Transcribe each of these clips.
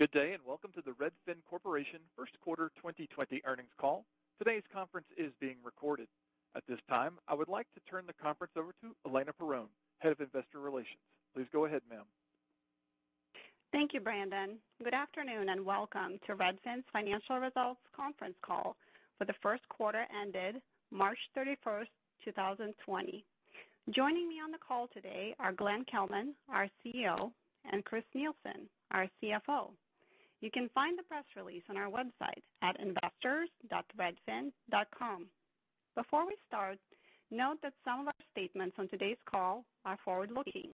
Good day, and welcome to the Redfin Corporation first quarter 2020 earnings call. Today's conference is being recorded. At this time, I would like to turn the conference over to Elena Perron, Head of Investor Relations. Please go ahead, ma'am. Thank you, Brandon. Good afternoon, and welcome to Redfin's financial results conference call for the first quarter ended March 31st, 2020. Joining me on the call today are Glenn Kelman, our CEO, and Chris Nielsen, our CFO. You can find the press release on our website at investors.redfin.com. Before we start, note that some of our statements on today's call are forward-looking.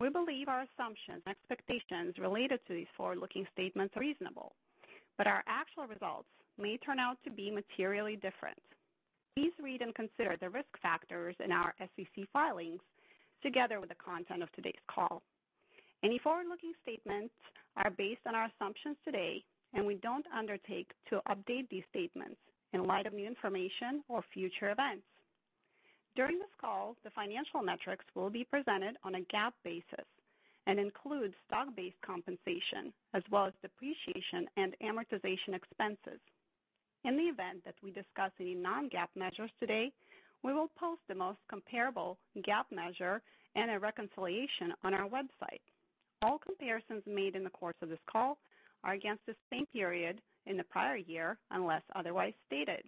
We believe our assumptions and expectations related to these forward-looking statements are reasonable, but our actual results may turn out to be materially different. Please read and consider the risk factors in our SEC filings, together with the content of today's call. Any forward-looking statements are based on our assumptions today, and we don't undertake to update these statements in light of new information or future events. During this call, the financial metrics will be presented on a GAAP basis and include stock-based compensation as well as depreciation and amortization expenses. In the event that we discuss any non-GAAP measures today, we will post the most comparable GAAP measure and a reconciliation on our website. All comparisons made in the course of this call are against the same period in the prior year, unless otherwise stated.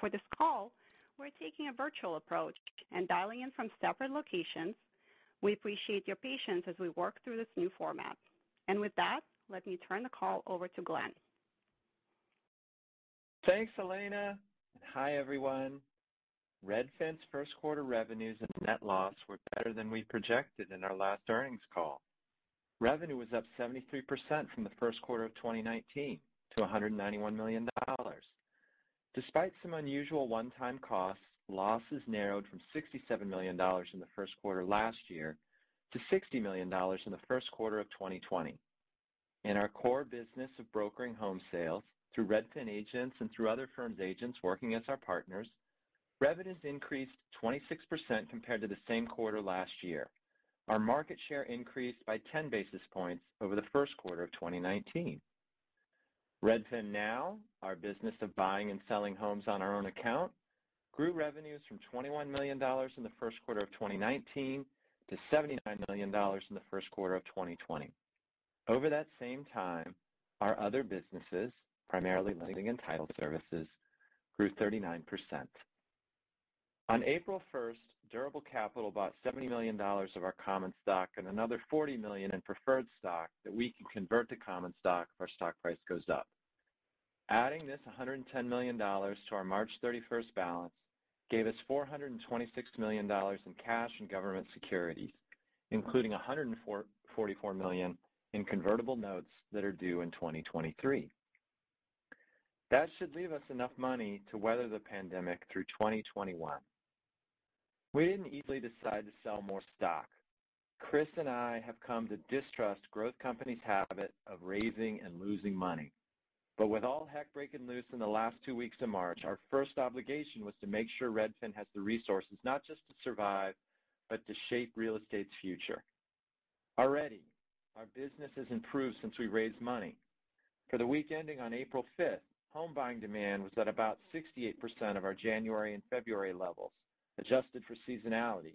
For this call, we're taking a virtual approach and dialing in from separate locations. We appreciate your patience as we work through this new format. With that, let me turn the call over to Glenn. Thanks, Elena, and hi, everyone. Redfin's first quarter revenues and net loss were better than we projected in our last earnings call. Revenue was up 73% from the first quarter of 2019 to $191 million. Despite some unusual one-time costs, losses narrowed from $67 million in the first quarter last year to $60 million in the first quarter of 2020. In our core business of brokering home sales through Redfin agents and through other firms' agents working as our partners, revenues increased 26% compared to the same quarter last year. Our market share increased by 10 basis points over the first quarter of 2019. RedfinNow, our business of buying and selling homes on our own account, grew revenues from $21 million in the first quarter of 2019 to $79 million in the first quarter of 2020. Over that same time, our other businesses, primarily lending and title services, grew 39%. On April 1st, Durable Capital bought $70 million of our common stock and another $40 million in preferred stock that we can convert to common stock if our stock price goes up. Adding this $110 million to our March 31st balance gave us $426 million in cash and government securities, including $144 million in convertible notes that are due in 2023. That should leave us enough money to weather the pandemic through 2021. We didn't easily decide to sell more stock. Chris and I have come to distrust growth companies' habit of raising and losing money. With all heck breaking loose in the last two weeks of March, our first obligation was to make sure Redfin has the resources not just to survive, but to shape real estate's future. Already, our business has improved since we raised money. For the week ending on April 5th, home buying demand was at about 68% of our January and February levels, adjusted for seasonality.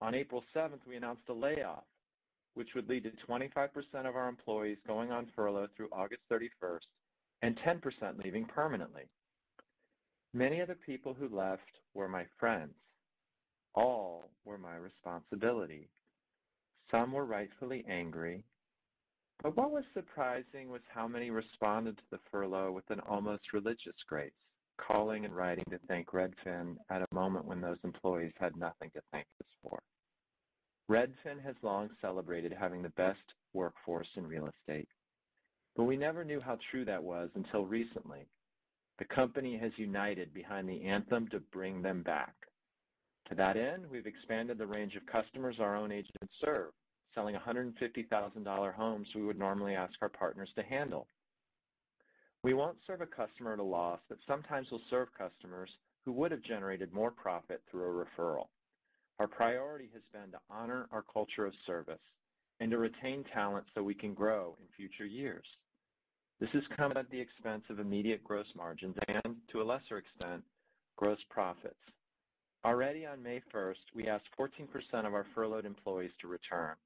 On April 7th, we announced a layoff, which would lead to 25% of our employees going on furlough through August 31st and 10% leaving permanently. Many of the people who left were my friends. All were my responsibility. Some were rightfully angry, but what was surprising was how many responded to the furlough with an almost religious grace, calling and writing to thank Redfin at a moment when those employees had nothing to thank us for. Redfin has long celebrated having the best workforce in real estate, but we never knew how true that was until recently. The company has united behind the anthem to bring them back. To that end, we've expanded the range of customers our own agents serve, selling $150,000 homes we would normally ask our partners to handle. We won't serve a customer at a loss, but sometimes we'll serve customers who would have generated more profit through a referral. Our priority has been to honor our culture of service and to retain talent so we can grow in future years. This has come at the expense of immediate gross margins and, to a lesser extent, gross profits. Already on May 1st, we asked 14% of our furloughed employees to return.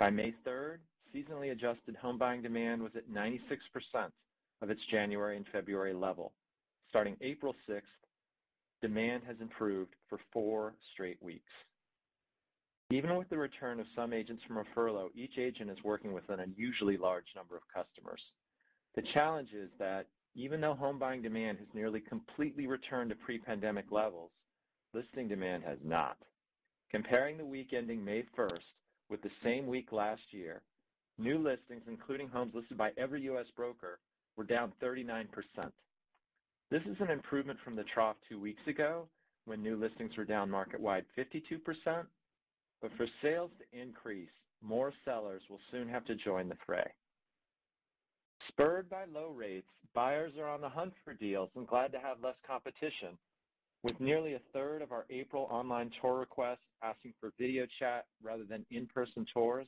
By May 3rd, seasonally adjusted home buying demand was at 96% of its January and February level. Starting April 6th, demand has improved for four straight weeks. Even with the return of some agents from a furlough, each agent is working with an unusually large number of customers. The challenge is that even though home buying demand has nearly completely returned to pre-pandemic levels, listing demand has not. Comparing the week ending May 1st with the same week last year, new listings, including homes listed by every U.S. broker, were down 39%. This is an improvement from the trough two weeks ago, when new listings were down market-wide 52%. For sales to increase, more sellers will soon have to join the fray. Spurred by low rates, buyers are on the hunt for deals and glad to have less competition. With nearly 1/3 of our April online tour requests asking for video chat rather than in-person tours,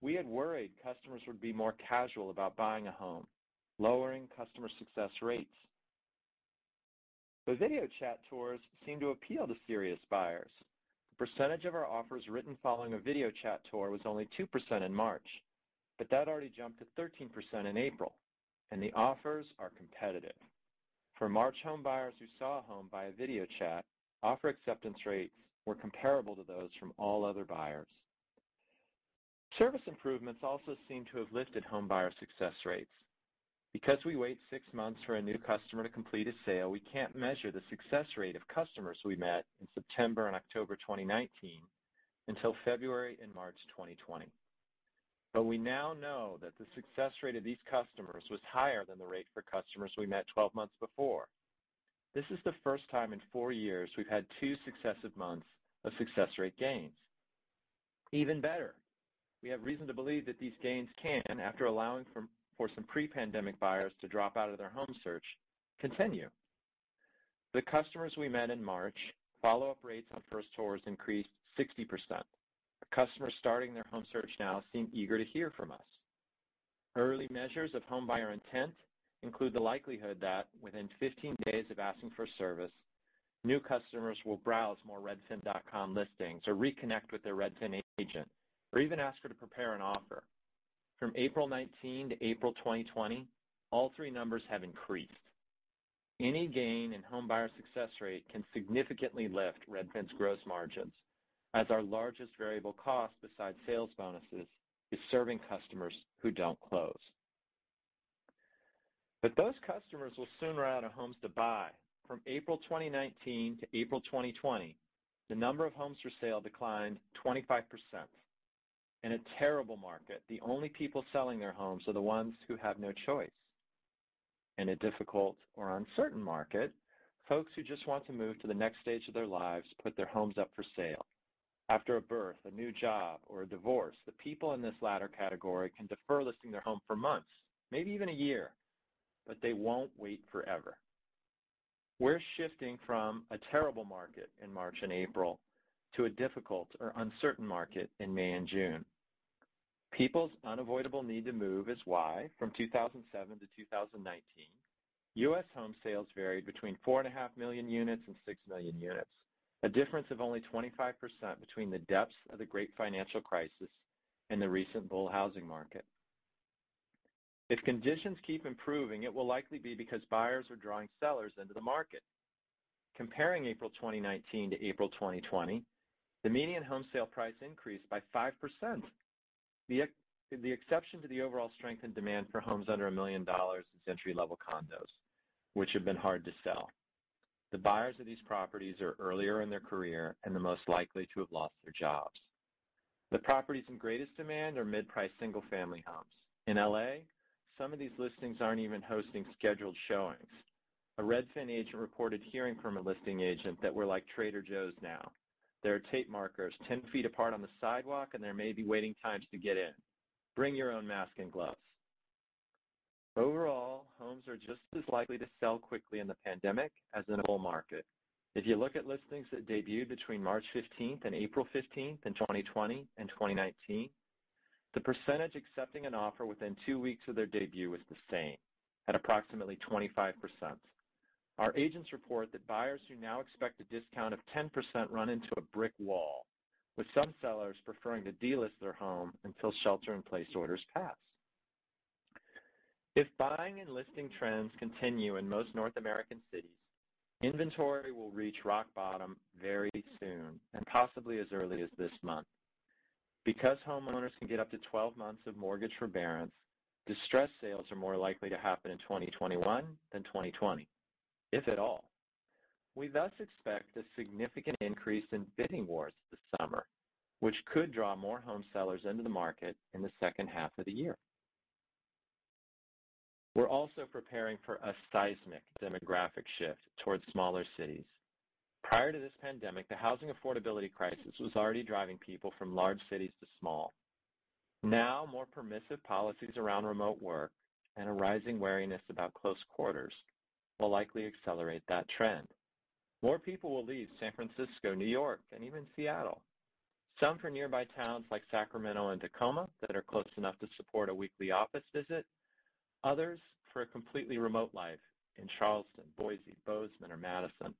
we had worried customers would be more casual about buying a home, lowering customer success rates. Video chat tours seem to appeal to serious buyers. The percentage of our offers written following a video chat tour was only 2% in March, but that already jumped to 13% in April, and the offers are competitive. For March home buyers who saw a home via video chat, offer acceptance rates were comparable to those from all other buyers. Service improvements also seem to have lifted home buyer success rates. Because we wait six months for a new customer to complete a sale, we can't measure the success rate of customers we met in September and October 2019 until February and March 2020. We now know that the success rate of these customers was higher than the rate for customers we met 12 months before. This is the first time in four years we've had two successive months of success rate gains. Even better, we have reason to believe that these gains can, after allowing for some pre-pandemic buyers to drop out of their home search, continue. For the customers we met in March, follow-up rates on first tours increased 60%. Customers starting their home search now seem eager to hear from us. Early measures of home buyer intent include the likelihood that within 15 days of asking for service, new customers will browse more redfin.com listings or reconnect with their Redfin agent, or even ask her to prepare an offer. From April 19 to April 2020, all three numbers have increased. Any gain in home buyer success rate can significantly lift Redfin's gross margins, as our largest variable cost, besides sales bonuses, is serving customers who don't close. Those customers will soon run out of homes to buy. From April 2019 to April 2020, the number of homes for sale declined 25%. In a terrible market, the only people selling their homes are the ones who have no choice. In a difficult or uncertain market, folks who just want to move to the next stage of their lives put their homes up for sale. After a birth, a new job, or a divorce, the people in this latter category can defer listing their home for months, maybe even a year, but they won't wait forever. We're shifting from a terrible market in March and April to a difficult or uncertain market in May and June. People's unavoidable need to move is why, from 2007-2019, U.S. home sales varied between 4.5 million units and 6 million units. A difference of only 25% between the depths of the great financial crisis and the recent bull housing market. If conditions keep improving, it will likely be because buyers are drawing sellers into the market. Comparing April 2019 to April 2020, the median home sale price increased by 5%. The exception to the overall strength in demand for homes under a million dollars is entry-level condos, which have been hard to sell. The buyers of these properties are earlier in their career and the most likely to have lost their jobs. The properties in greatest demand are mid-priced single-family homes. In L.A., some of these listings aren't even hosting scheduled showings. A Redfin agent reported hearing from a listing agent that we're like Trader Joe's now. There are tape markers 10 feet apart on the sidewalk, and there may be waiting times to get in. Bring your own mask and gloves. Overall, homes are just as likely to sell quickly in the pandemic as in a bull market. If you look at listings that debuted between March 15th and April 15th in 2020 and 2019, the percentage accepting an offer within two weeks of their debut was the same, at approximately 25%. Our agents report that buyers who now expect a discount of 10% run into a brick wall, with some sellers preferring to de-list their home until shelter in place orders pass. If buying and listing trends continue in most North American cities, inventory will reach rock bottom very soon, and possibly as early as this month. Because homeowners can get up to 12 months of mortgage forbearance, distressed sales are more likely to happen in 2021 than 2020, if at all. We thus expect a significant increase in bidding wars this summer, which could draw more home sellers into the market in the second half of the year. We're also preparing for a seismic demographic shift towards smaller cities. Prior to this pandemic, the housing affordability crisis was already driving people from large cities to small. Now, more permissive policies around remote work and a rising wariness about close quarters will likely accelerate that trend. More people will leave San Francisco, New York, and even Seattle. Some for nearby towns like Sacramento and Tacoma that are close enough to support a weekly office visit. Others, for a completely remote life in Charleston, Boise, Bozeman, or Madison.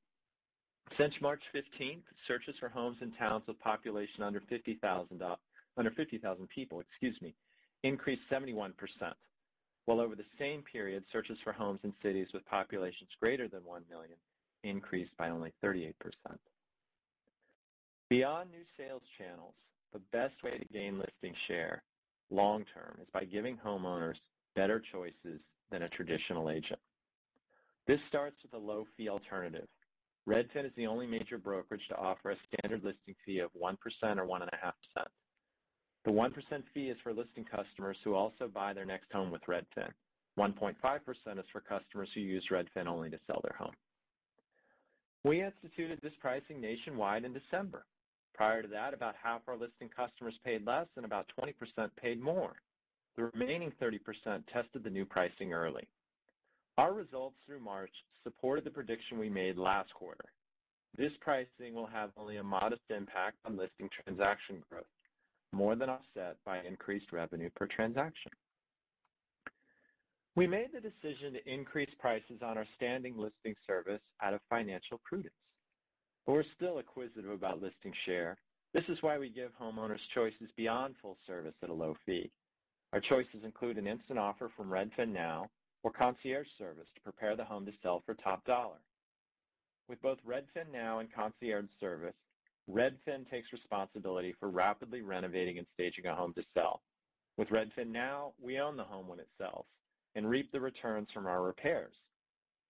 Since March 15th, searches for homes in towns with population under 50,000 people increased 71%, while over the same period, searches for homes in cities with populations greater than 1 million increased by only 38%. Beyond new sales channels, the best way to gain listing share long-term, is by giving homeowners better choices than a traditional agent. This starts with a low-fee alternative. Redfin is the only major brokerage to offer a standard listing fee of 1% or 1.5%. The 1% fee is for listing customers who also buy their next home with Redfin. 1.5% is for customers who use Redfin only to sell their home. We instituted this pricing nationwide in December. Prior to that, about half our listing customers paid less and about 20% paid more. The remaining 30% tested the new pricing early. Our results through March supported the prediction we made last quarter. This pricing will have only a modest impact on listing transaction growth, more than offset by increased revenue per transaction. We made the decision to increase prices on our standing listing service out of financial prudence, but we're still acquisitive about listing share. This is why we give homeowners choices beyond full service at a low fee. Our choices include an instant offer from RedfinNow or Concierge Service to prepare the home to sell for top dollar. With both RedfinNow and Concierge Service, Redfin takes responsibility for rapidly renovating and staging a home to sell. With RedfinNow, we own the home when it sells and reap the returns from our repairs.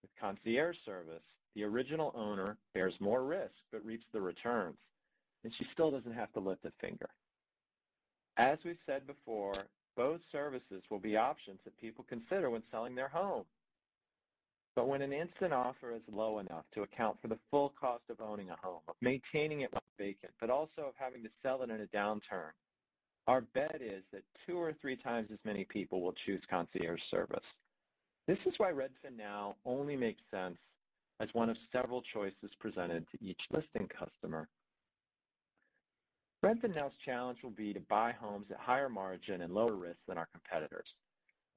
With Concierge Service, the original owner bears more risk but reaps the returns, and she still doesn't have to lift a finger. As we've said before, both services will be options that people consider when selling their home. When an instant offer is low enough to account for the full cost of owning a home, of maintaining it while vacant, but also of having to sell it in a downturn, our bet is that 2x or 3x as many people will choose Concierge Service. This is why RedfinNow only makes sense as one of several choices presented to each listing customer. RedfinNow's challenge will be to buy homes at higher margin and lower risk than our competitors.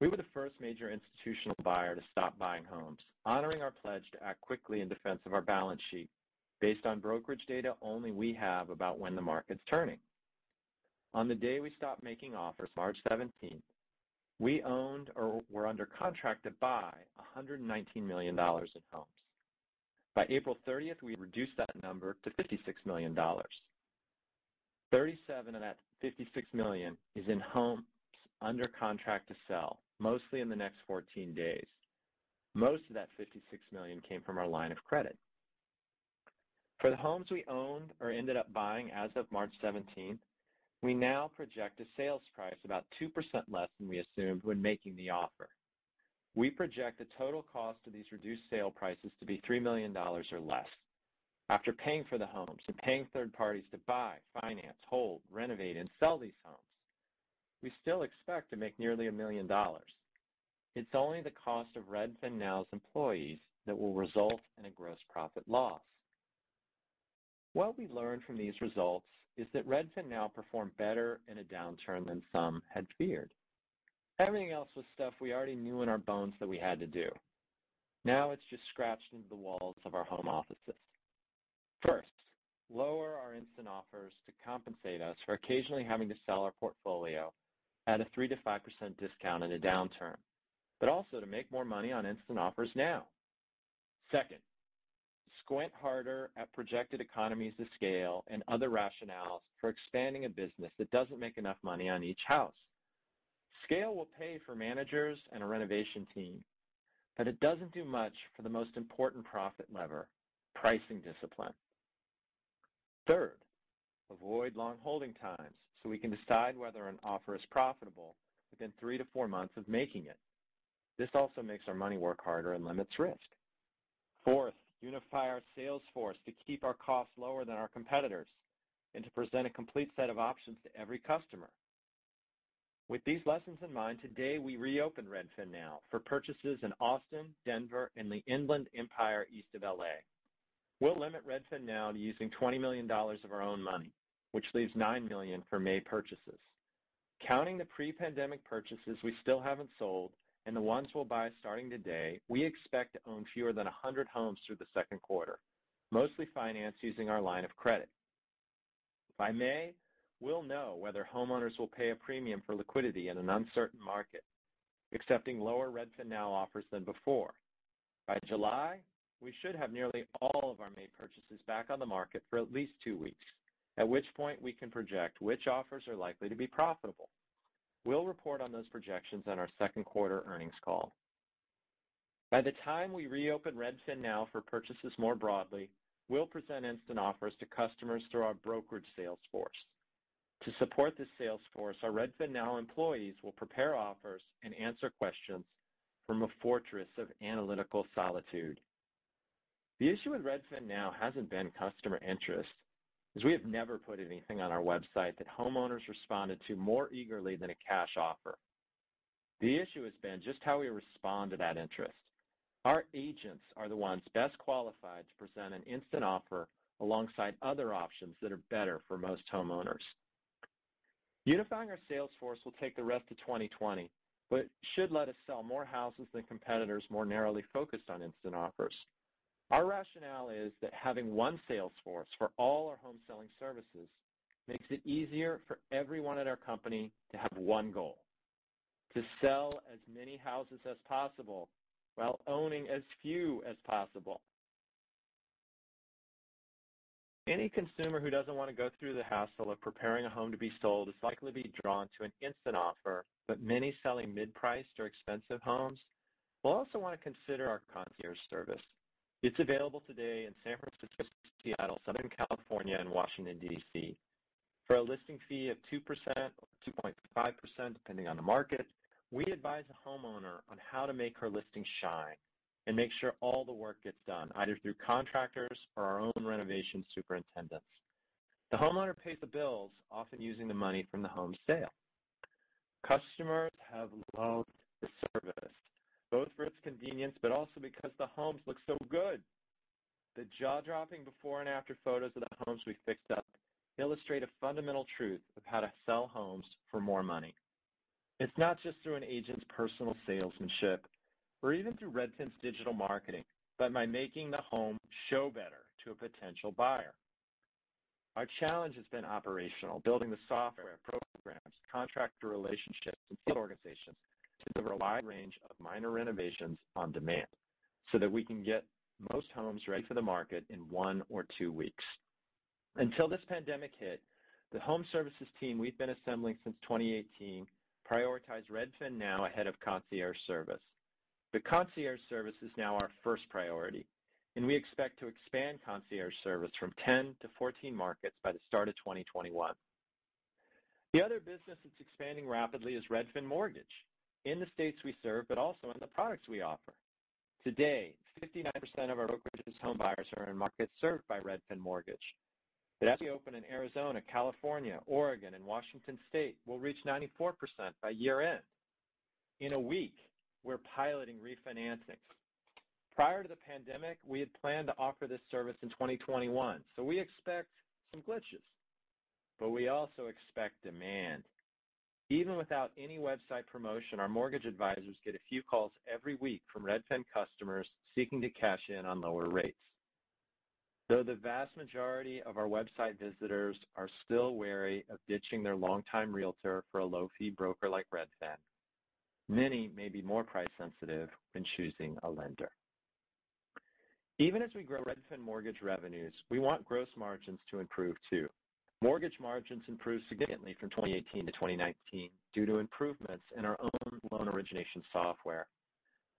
We were the first major institutional buyer to stop buying homes, honoring our pledge to act quickly in defense of our balance sheet based on brokerage data only we have about when the market's turning. On the day we stopped making offers, March 17th, we owned or were under contract to buy $119 million in homes. By April 30th, we had reduced that number to $56 million. $37 million of that $56 million is in homes under contract to sell, mostly in the next 14 days. Most of that $56 million came from our line of credit. For the homes we owned or ended up buying as of March 17th, we now project a sales price about 2% less than we assumed when making the offer. We project the total cost of these reduced sale prices to be $3 million or less. After paying for the homes and paying third parties to buy, finance, hold, renovate, and sell these homes, we still expect to make nearly $1 million. It's only the cost of RedfinNow's employees that will result in a gross profit loss. What we learned from these results is that RedfinNow performed better in a downturn than some had feared. Everything else was stuff we already knew in our bones that we had to do. Now it's just scratched into the walls of our home offices. First, lower our instant offers to compensate us for occasionally having to sell our portfolio at a 3%-5% discount in a downturn, but also to make more money on instant offers now. Second, squint harder at projected economies of scale and other rationales for expanding a business that doesn't make enough money on each house. Scale will pay for managers and a renovation team, but it doesn't do much for the most important profit lever, pricing discipline. Third, avoid long holding times so we can decide whether an offer is profitable within three to four months of making it. This also makes our money work harder and limits risk. Unify our sales force to keep our costs lower than our competitors and to present a complete set of options to every customer. With these lessons in mind, today we reopen RedfinNow for purchases in Austin, Denver, and the Inland Empire, east of L.A. We'll limit RedfinNow to using $20 million of our own money, which leaves $9 million for May purchases. Counting the pre-pandemic purchases we still haven't sold and the ones we'll buy starting today, we expect to own fewer than 100 homes through the second quarter, mostly financed using our line of credit. By May, we'll know whether homeowners will pay a premium for liquidity in an uncertain market, accepting lower RedfinNow offers than before. By July, we should have nearly all of our May purchases back on the market for at least two weeks, at which point we can project which offers are likely to be profitable. We'll report on those projections on our second quarter earnings call. By the time we reopen RedfinNow for purchases more broadly, we'll present instant offers to customers through our brokerage sales force. To support this sales force, our RedfinNow employees will prepare offers and answer questions from a fortress of analytical solitude. The issue with RedfinNow hasn't been customer interest, as we have never put anything on our website that homeowners responded to more eagerly than a cash offer. The issue has been just how we respond to that interest. Our agents are the ones best qualified to present an instant offer alongside other options that are better for most homeowners. Unifying our sales force will take the rest of 2020, but should let us sell more houses than competitors more narrowly focused on instant offers. Our rationale is that having one sales force for all our home selling services makes it easier for everyone at our company to have one goal, to sell as many houses as possible while owning as few as possible. Any consumer who doesn't want to go through the hassle of preparing a home to be sold is likely to be drawn to an instant offer, but many selling mid-priced or expensive homes will also want to consider our Concierge Service. It's available today in San Francisco, Seattle, Southern California, and Washington, D.C. For a listing fee of 2% or 2.5%, depending on the market, we advise a homeowner on how to make her listing shine and make sure all the work gets done, either through contractors or our own renovation superintendents. The homeowner pays the bills, often using the money from the home sale. Customers have loved the service, both for its convenience, but also because the homes look so good. The jaw-dropping before and after photos of the homes we fixed up illustrate a fundamental truth of how to sell homes for more money. It's not just through an agent's personal salesmanship or even through Redfin's digital marketing, but by making the home show better to a potential buyer. Our challenge has been operational, building the software, programs, contractor relationships, and field organizations to deliver a wide range of minor renovations on demand so that we can get most homes ready for the market in one or two weeks. Until this pandemic hit, the home services team we've been assembling since 2018 prioritized RedfinNow ahead of Concierge Service. Concierge Service is now our first priority, and we expect to expand Concierge Service from 10-14 markets by the start of 2021. The other business that's expanding rapidly is Redfin Mortgage, in the states we serve, but also in the products we offer. Today, 59% of our brokerage's home buyers are in markets served by Redfin Mortgage. As we open in Arizona, California, Oregon, and Washington State, we'll reach 94% by year-end. In a week, we're piloting refinancing. Prior to the pandemic, we had planned to offer this service in 2021, so we expect some glitches. We also expect demand. Even without any website promotion, our mortgage advisors get a few calls every week from Redfin customers seeking to cash in on lower rates. Though the vast majority of our website visitors are still wary of ditching their longtime realtor for a low-fee broker like Redfin, many may be more price-sensitive when choosing a lender. Even as we grow Redfin Mortgage revenues, we want gross margins to improve, too. Mortgage margins improved significantly from 2018-2019 due to improvements in our own loan origination software,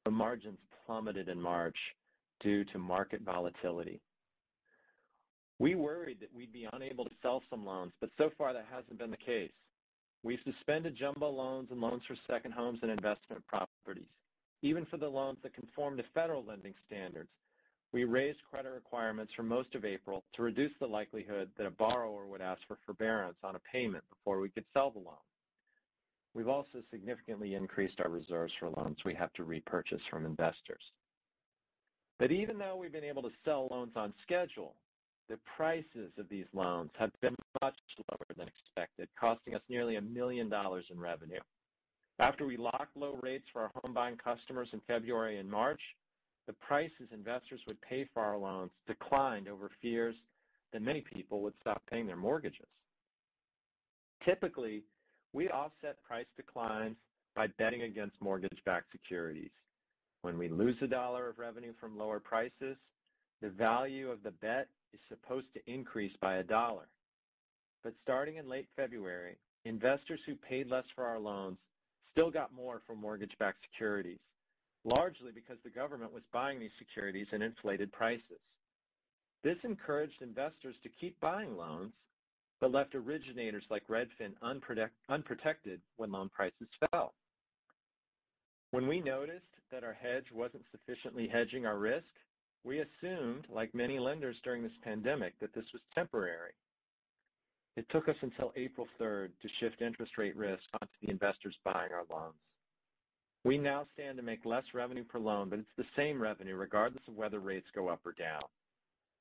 but margins plummeted in March due to market volatility. We worried that we'd be unable to sell some loans, but so far that hasn't been the case. We suspended jumbo loans and loans for second homes and investment properties. Even for the loans that conform to federal lending standards, we raised credit requirements for most of April to reduce the likelihood that a borrower would ask for forbearance on a payment before we could sell the loan. We've also significantly increased our reserves for loans we have to repurchase from investors. Even though we've been able to sell loans on schedule, the prices of these loans have been much lower than expected, costing us nearly $1 million in revenue. After we locked low rates for our home-buying customers in February and March, the prices investors would pay for our loans declined over fears that many people would stop paying their mortgages. Typically, we offset price declines by betting against mortgage-backed securities. When we lose a dollar of revenue from lower prices, the value of the bet is supposed to increase by a dollar. Starting in late February, investors who paid less for our loans still got more for mortgage-backed securities, largely because the government was buying these securities at inflated prices. This encouraged investors to keep buying loans, but left originators like Redfin unprotected when loan prices fell. When we noticed that our hedge wasn't sufficiently hedging our risk, we assumed, like many lenders during this pandemic, that this was temporary. It took us until April 3rd to shift interest rate risk onto the investors buying our loans. We now stand to make less revenue per loan, but it's the same revenue regardless of whether rates go up or down.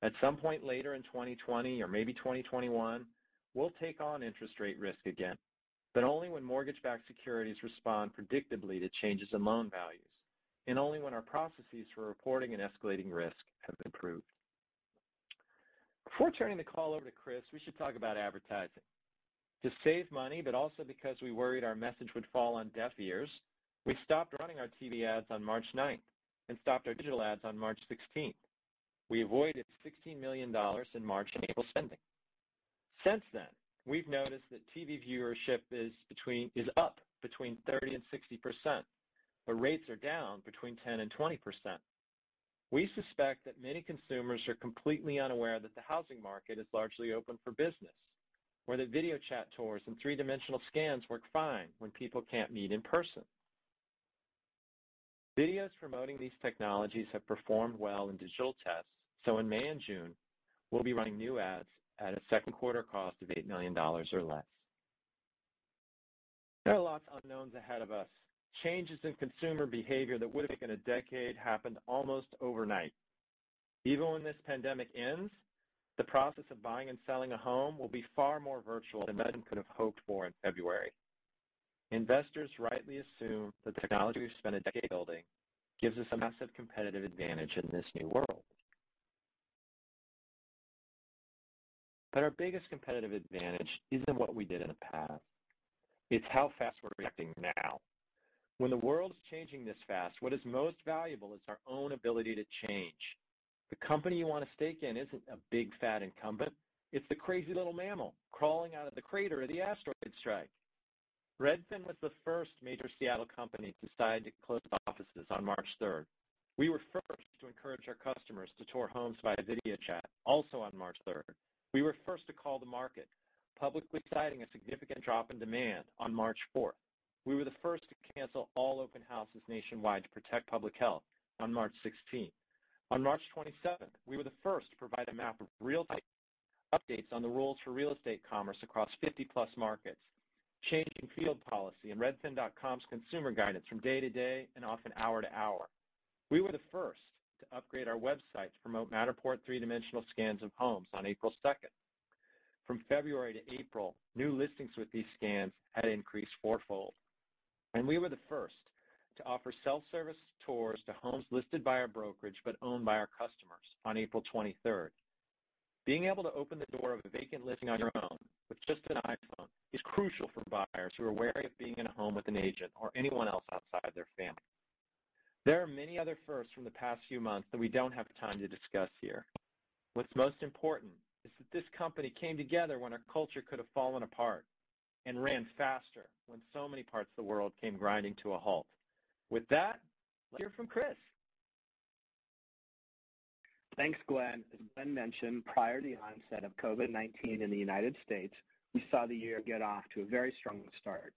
At some point later in 2020 or maybe 2021, we'll take on interest rate risk again, but only when mortgage-backed securities respond predictably to changes in loan values, and only when our processes for reporting and escalating risk have improved. Before turning the call over to Chris, we should talk about advertising. To save money, but also because we worried our message would fall on deaf ears, we stopped running our TV ads on March 9th and stopped our digital ads on March 16th. We avoided $16 million in March and April spending. Since then, we've noticed that TV viewership is up between 30% and 60%, but rates are down between 10% and 20%. We suspect that many consumers are completely unaware that the housing market is largely open for business, or that video chat tours and three-dimensional scans work fine when people can't meet in person. Videos promoting these technologies have performed well in digital tests, in May and June, we'll be running new ads at a second quarter cost of $8 million or less. There are lots of unknowns ahead of us. Changes in consumer behavior that would have taken a decade happened almost overnight. Even when this pandemic ends, the process of buying and selling a home will be far more virtual than anyone could have hoped for in February. Investors rightly assume that the technology we've spent a decade building gives us a massive competitive advantage in this new world. Our biggest competitive advantage isn't what we did in the past. It's how fast we're adapting now. When the world is changing this fast, what is most valuable is our own ability to change. The company you want a stake in isn't a big, fat incumbent. It's the crazy little mammal crawling out of the crater of the asteroid strike. Redfin was the first major Seattle company to decide to close offices on March 3rd. We were first to encourage our customers to tour homes via video chat, also on March 3rd. We were first to call the market, publicly citing a significant drop in demand on March 4th. We were the first to cancel all open houses nationwide to protect public health on March 16. On March 27, we were the first to provide a map of realtor updates on the rules for real estate commerce across 50+ markets, changing field policy and redfin.com's consumer guidance from day to day and often hour to hour. We were the first to upgrade our website to promote Matterport three-dimensional scans of homes on April 2nd. From February to April, new listings with these scans had increased fourfold, and we were the first to offer self-service tours to homes listed by our brokerage but owned by our customers on April 23rd. Being able to open the door of a vacant listing on your own with just an iPhone is crucial for buyers who are wary of being in a home with an agent or anyone else outside their family. There are many other firsts from the past few months that we don't have time to discuss here. What's most important is that this company came together when our culture could have fallen apart and ran faster when so many parts of the world came grinding to a halt. With that, let's hear from Chris. Thanks, Glenn. As Glenn mentioned, prior to the onset of COVID-19 in the United States, we saw the year get off to a very strong start,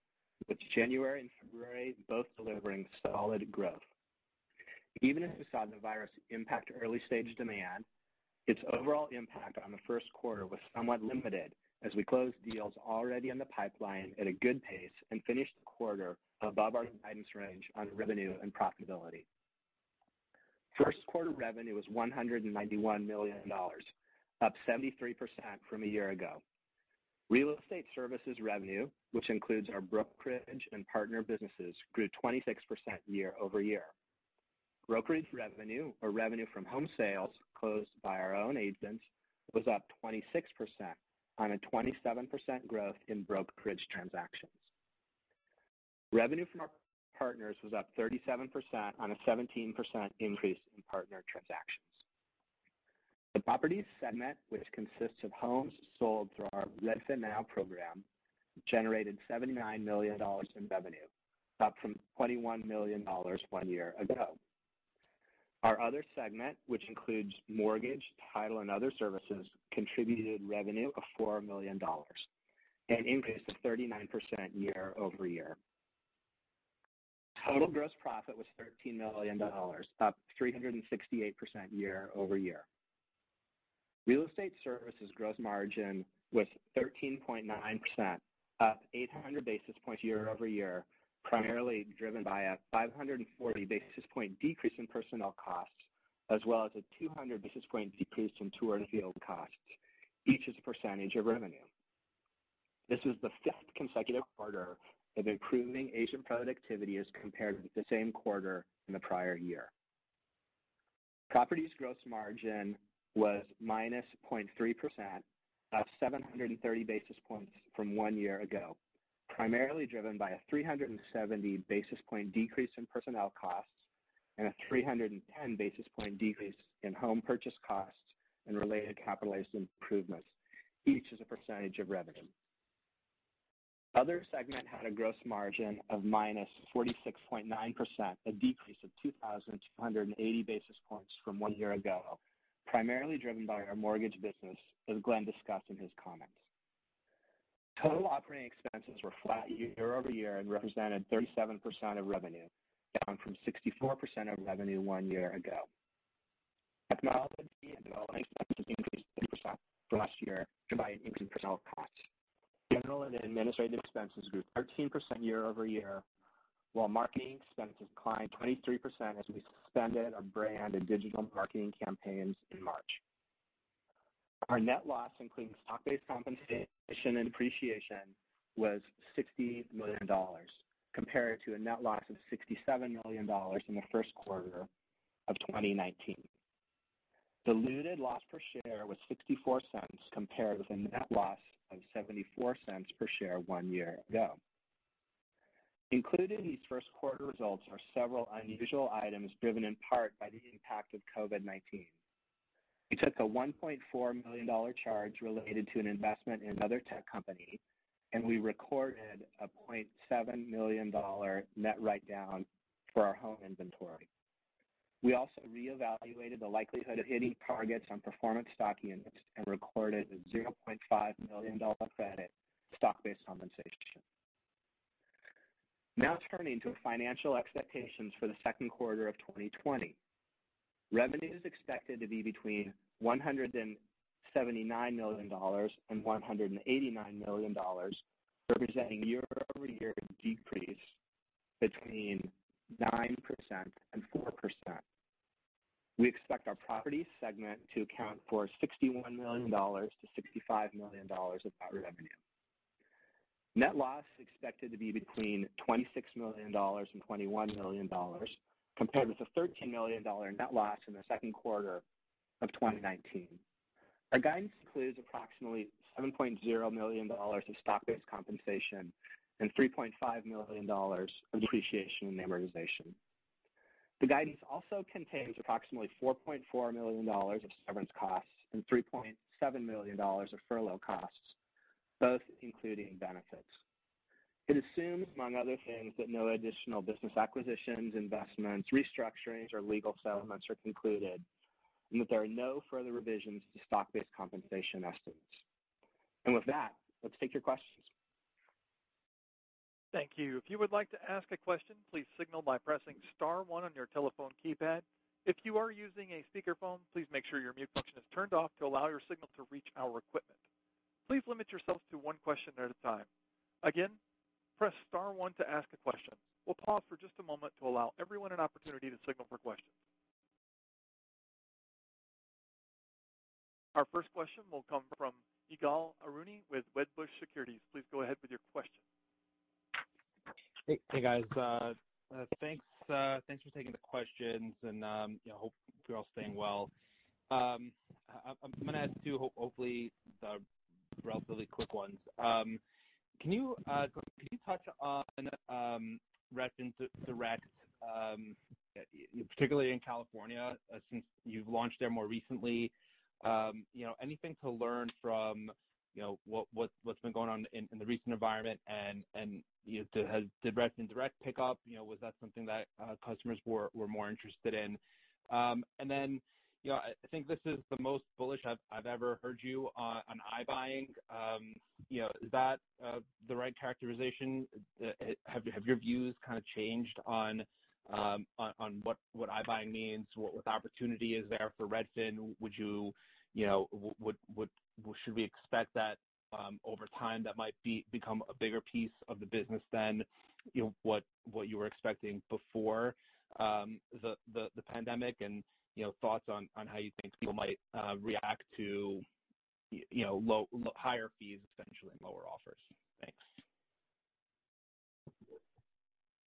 with January and February both delivering solid growth. Even as we saw the virus impact early-stage demand, its overall impact on the first quarter was somewhat limited as we closed deals already in the pipeline at a good pace and finished the quarter above our guidance range on revenue and profitability. First quarter revenue was $191 million, up 73% from a year ago. Real estate services revenue, which includes our brokerage and partner businesses, grew 26% year-over-year. Brokerage revenue, or revenue from home sales closed by our own agents, was up 26% on a 27% growth in brokerage transactions. Revenue from our partners was up 37% on a 17% increase in partner transactions. The properties segment, which consists of homes sold through our RedfinNow program, generated $79 million in revenue, up from $21 million one year ago. Our other segment, which includes mortgage, title, and other services, contributed revenue of $4 million, an increase of 39% year-over-year. Total gross profit was $13 million, up 368% year-over-year. Real estate services gross margin was 13.9%, up 800 basis points year-over-year, primarily driven by a 540 basis point decrease in personnel costs, as well as a 200 basis point decrease in tour and field costs, each as a percentage of revenue. This is the fifth consecutive quarter of improving agent productivity as compared with the same quarter in the prior year. Properties gross margin was -0.3%, up 730 basis points from one year ago, primarily driven by a 370 basis point decrease in personnel costs and a 310 basis point decrease in home purchase costs and related capitalized improvements, each as a percentage of revenue. Other segment had a gross margin of -46.9%, a decrease of 2,280 basis points from one year ago, primarily driven by our mortgage business, as Glenn discussed in his comments. Total operating expenses were flat year-over-year and represented 37% of revenue, down from 64% of revenue one year ago. Technology and development expenses increased 3% from last year due to increased personnel costs. General and administrative expenses grew 13% year-over-year, while marketing expenses declined 23% as we suspended our brand and digital marketing campaigns in March. Our net loss, including stock-based compensation and depreciation, was $60 million, compared to a net loss of $67 million in the first quarter of 2019. Diluted loss per share was $0.64, compared with a net loss of $0.74 per share one year ago. Included in these first quarter results are several unusual items driven in part by the impact of COVID-19. We took a $1.4 million charge related to an investment in another tech company, and we recorded a $0.7 million net write-down for our home inventory. We also reevaluated the likelihood of hitting targets on performance stock units and recorded a $0.5 million credit stock-based compensation. Turning to financial expectations for the second quarter of 2020. Revenue is expected to be between $179 million and $189 million, representing year-over-year decrease between 9% and 4%. We expect our property segment to account for $61 million-$65 million of that revenue. Net loss expected to be between $26 million and $21 million, compared with a $13 million net loss in the second quarter of 2019. Our guidance includes approximately $7.0 million of stock-based compensation and $3.5 million of depreciation and amortization. The guidance also contains approximately $4.4 million of severance costs and $3.7 million of furlough costs, both including benefits. It assumes, among other things, that no additional business acquisitions, investments, restructurings, or legal settlements are concluded, and that there are no further revisions to stock-based compensation estimates. With that, let's take your questions. Thank you. If you would like to ask a question, please signal by pressing star one on your telephone keypad. If you are using a speakerphone, please make sure your mute function is turned off to allow your signal to reach our equipment. Please limit yourself to one question at a time. Again, press star one to ask a question. We'll pause for just a moment to allow everyone an opportunity to signal for questions. Our first question will come from Ygal Arounian with Wedbush Securities. Please go ahead with your question. Hey, guys. Thanks for taking the questions. Hope you're all staying well. I'm going to ask two, hopefully, relatively quick ones. Can you touch on Redfin Direct, particularly in California, since you've launched there more recently? Anything to learn from what's been going on in the recent environment? Did Redfin Direct pick up? Was that something that customers were more interested in? I think this is the most bullish I've ever heard you on iBuying. Is that the right characterization? Have your views changed on what iBuying means? What opportunity is there for Redfin? Should we expect that, over time, that might become a bigger piece of the business than what you were expecting before the pandemic? Thoughts on how you think people might react to higher fees, potentially lower offers. Thanks.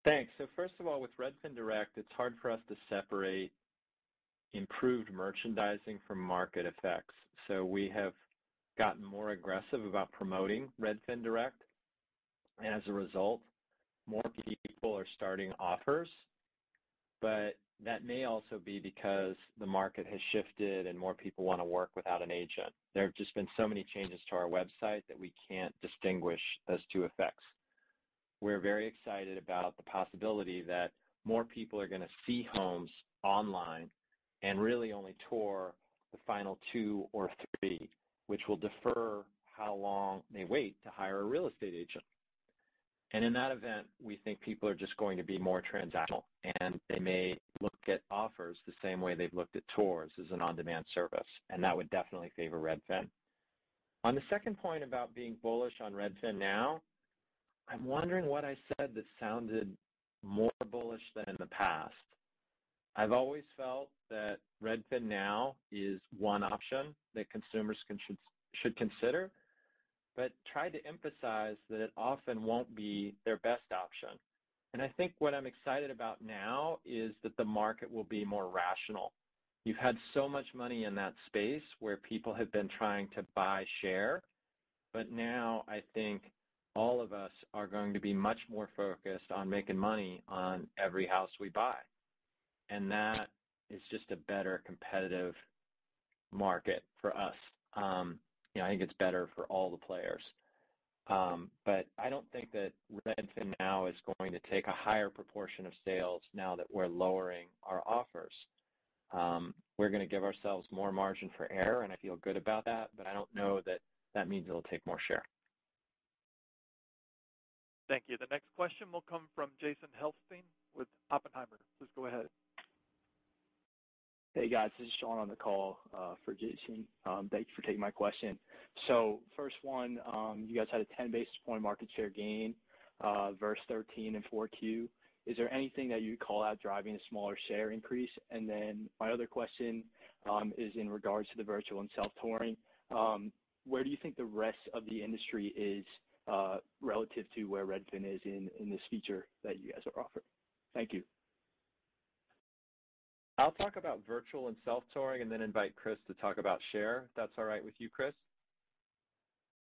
Thanks. First of all, with Redfin Direct, it's hard for us to separate improved merchandising from market effects. We have gotten more aggressive about promoting Redfin Direct. As a result, more people are starting offers. That may also be because the market has shifted and more people want to work without an agent. There have just been so many changes to our website that we can't distinguish those two effects. We're very excited about the possibility that more people are going to see homes online and really only tour the final two or three, which will defer how long they wait to hire a real estate agent. In that event, we think people are just going to be more transactional, and they may look at offers the same way they've looked at tours as an on-demand service, and that would definitely favor Redfin. On the second point about being bullish on RedfinNow, I'm wondering what I said that sounded more bullish than in the past. I've always felt that RedfinNow is one option that consumers should consider, but try to emphasize that it often won't be their best option. I think what I'm excited about now is that the market will be more rational. You've had so much money in that space where people have been trying to buy share. Now, I think all of us are going to be much more focused on making money on every house we buy. That is just a better competitive market for us. I think it's better for all the players. I don't think that RedfinNow is going to take a higher proportion of sales now that we're lowering our offers. We're going to give ourselves more margin for error, and I feel good about that, but I don't know that that means it'll take more share. Thank you. The next question will come from Jason Helfstein with Oppenheimer. Please go ahead. Hey, guys, this is Sean on the call for Jason. Thanks for taking my question. First one, you guys had a 10 basis point market share gain versus 13 in Q4. Is there anything that you'd call out driving a smaller share increase? My other question is in regards to the virtual and self-touring. Where do you think the rest of the industry is relative to where Redfin is in this feature that you guys are offering? Thank you. I'll talk about virtual and self-touring and then invite Chris to talk about share. If that's all right with you, Chris?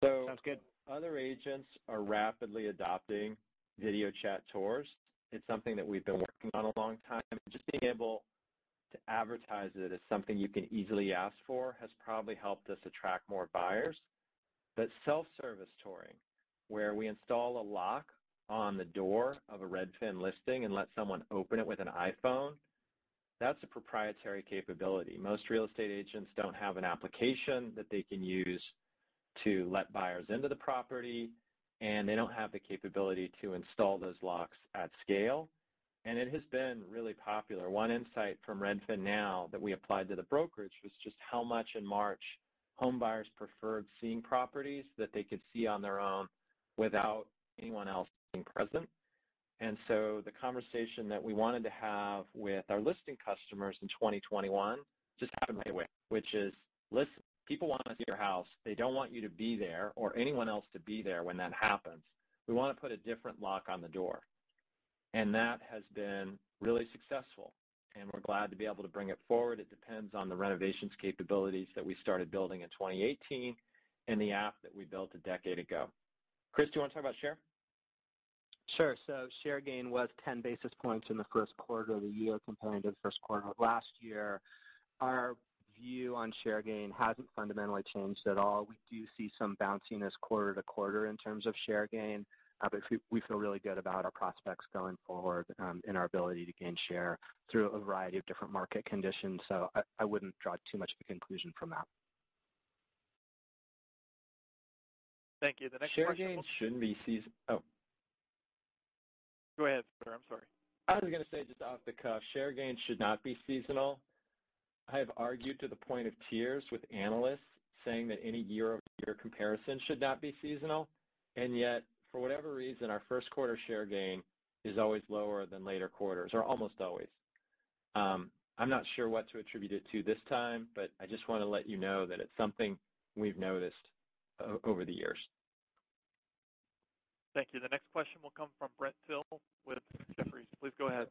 Sounds good. Other agents are rapidly adopting video chat tours. It's something that we've been working on a long time, and just being able to advertise it as something you can easily ask for has probably helped us attract more buyers. Self-service touring, where we install a lock on the door of a Redfin listing and let someone open it with an iPhone, that's a proprietary capability. Most real estate agents don't have an application that they can use to let buyers into the property, and they don't have the capability to install those locks at scale. It has been really popular. One insight from RedfinNow that we applied to the brokerage was just how much in March home buyers preferred seeing properties that they could see on their own without anyone else being present. The conversation that we wanted to have with our listing customers in 2021 just happened right away, which is, "Listen, people want to see your house. They don't want you to be there or anyone else to be there when that happens. We want to put a different lock on the door." That has been really successful, and we're glad to be able to bring it forward. It depends on the renovations capabilities that we started building in 2018 and the app that we built a decade ago. Chris, do you want to talk about share? Sure. Share gain was 10 basis points in the first quarter of the year compared to the first quarter of last year. Our view on share gain hasn't fundamentally changed at all. We do see some bounciness quarter-to-quarter in terms of share gain. We feel really good about our prospects going forward, and our ability to gain share through a variety of different market conditions. I wouldn't draw too much of a conclusion from that. Thank you. The next question- Share gains shouldn't be. Oh. Go ahead, sir. I'm sorry. I was going to say, just off the cuff, share gains should not be seasonal. I have argued to the point of tears with analysts saying that any year-over-year comparison should not be seasonal, yet, for whatever reason, our first quarter share gain is always lower than later quarters, or almost always. I'm not sure what to attribute it to this time, I just want to let you know that it's something we've noticed over the years. Thank you. The next question will come from Brent Thill with Jefferies. Please go ahead.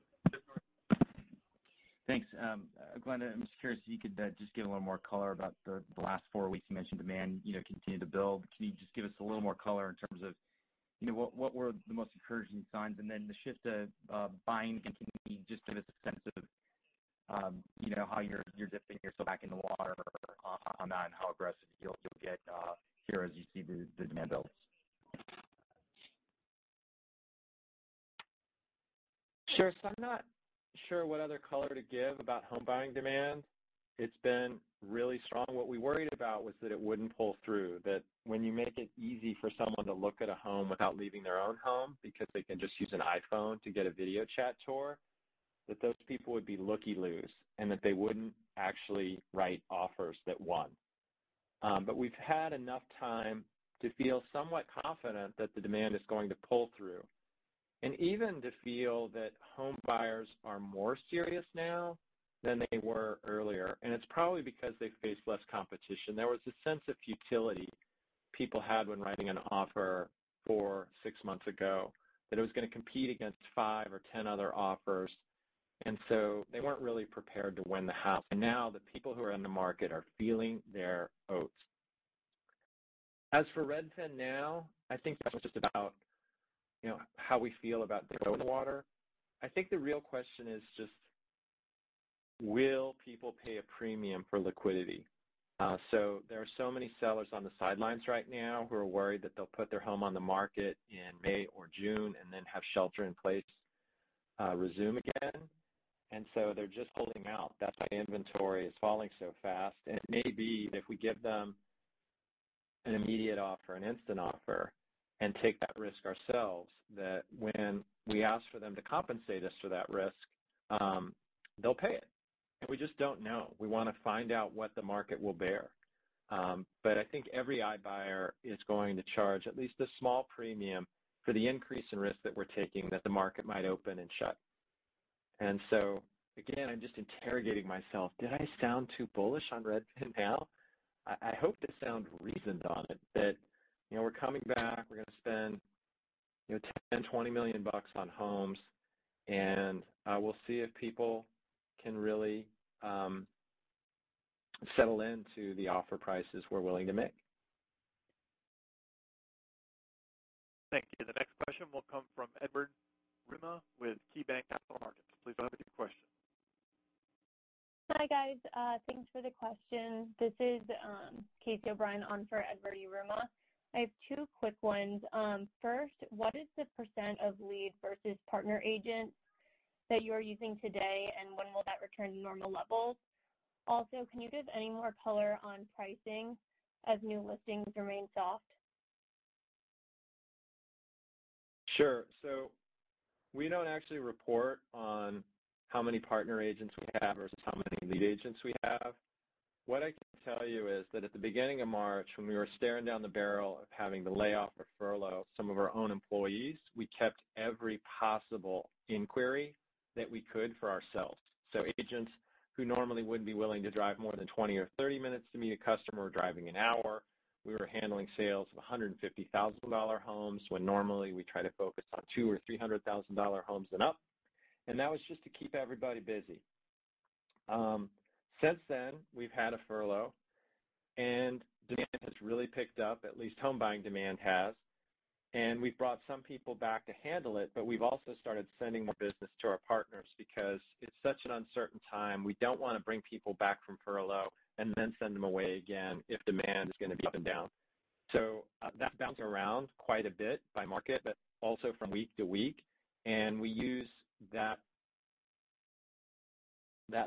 Thanks. Glenn, I'm just curious if you could just give a little more color about the last four weeks. You mentioned demand continued to build. Can you just give us a little more color in terms of what were the most encouraging signs? The shift to buying, and can you just give us a sense of how you're dipping your toe back in the water on that and how aggressive you'll get here as you see the demand builds? Sure. I'm not sure what other color to give about home buying demand. It's been really strong. What we worried about was that it wouldn't pull through. That when you make it easy for someone to look at a home without leaving their own home, because they can just use an iPhone to get a video chat tour, that those people would be looky-loos, and that they wouldn't actually write offers that won. We've had enough time to feel somewhat confident that the demand is going to pull through, and even to feel that home buyers are more serious now than they were earlier, and it's probably because they face less competition. There was a sense of futility people had when writing an offer four, six months ago, that it was going to compete against five or 10 other offers. They weren't really prepared to win the house. Now the people who are in the market are feeling their oats. As for RedfinNow, I think that was just about how we feel about dipping a toe in the water. I think the real question is just, will people pay a premium for liquidity? There are so many sellers on the sidelines right now who are worried that they'll put their home on the market in May or June and then have shelter in place resume again. They're just holding out. That's why inventory is falling so fast. It may be if we give them an immediate offer, an instant offer, and take that risk ourselves, that when we ask for them to compensate us for that risk, they'll pay it. We just don't know. We want to find out what the market will bear. I think every iBuyer is going to charge at least a small premium for the increase in risk that we're taking that the market might open and shut. Again, I'm just interrogating myself. Did I sound too bullish on RedfinNow? I hope to sound reasoned on it, that we're coming back, we're going to spend $10 million, $20 million on homes, and we'll see if people can really settle into the offer prices we're willing to make. Thank you. The next question will come from Edward Yruma with KeyBanc Capital Markets. Please go ahead with your question. Hi, guys. Thanks for the question. This is Kasey O'Brien on for Edward Yruma. I have two quick ones. First, what is the percent of lead versus partner agents that you are using today, and when will that return to normal levels? Can you give any more color on pricing as new listings remain soft? Sure. We don't actually report on how many partner agents we have versus how many lead agents we have. What I can tell you is that at the beginning of March, when we were staring down the barrel of having to lay off or furlough some of our own employees, we kept every possible inquiry that we could for ourselves. Agents who normally wouldn't be willing to drive more than 20 or 30 minutes to meet a customer, were driving one hour. We were handling sales of $150,000 homes when normally we try to focus on $200,000 or $300,000 homes and up. That was just to keep everybody busy. Since then, we've had a furlough, and demand has really picked up, at least home buying demand has. We've brought some people back to handle it, but we've also started sending more business to our partners because it's such an uncertain time. We don't want to bring people back from furlough and then send them away again if demand is going to be up and down. That's bouncing around quite a bit by market, but also from week to week, and we use that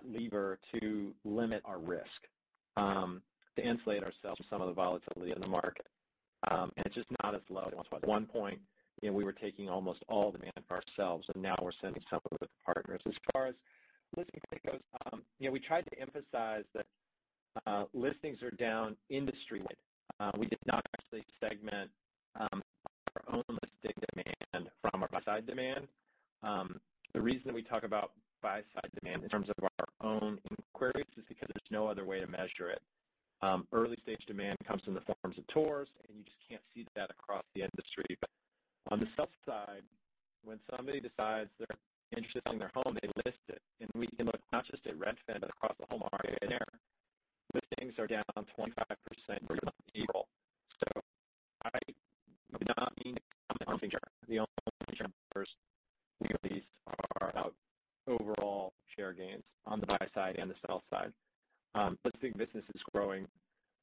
lever to limit our risk, to insulate ourselves from some of the volatility in the market. It's just not as low as it was. At one point, we were taking almost all demand ourselves, and now we're sending some of it to partners. As far as listing goes, we tried to emphasize that listings are down industry-wide. We did not actually segment our own listing demand from our buy-side demand. The reason we talk about buy-side demand in terms of our own inquiries is because there's no other way to measure it. Early-stage demand comes in the forms of tours, and you just can't see that across the industry. On the sell side, when somebody decides they're interested in selling their home, they list it. We look not just at Redfin, but across the whole market, and there, listings are down 25% for April. I do not mean to sound like I'm hunting here. The only numbers we release are about overall share gains on the buy side and the sell side. Listing business was growing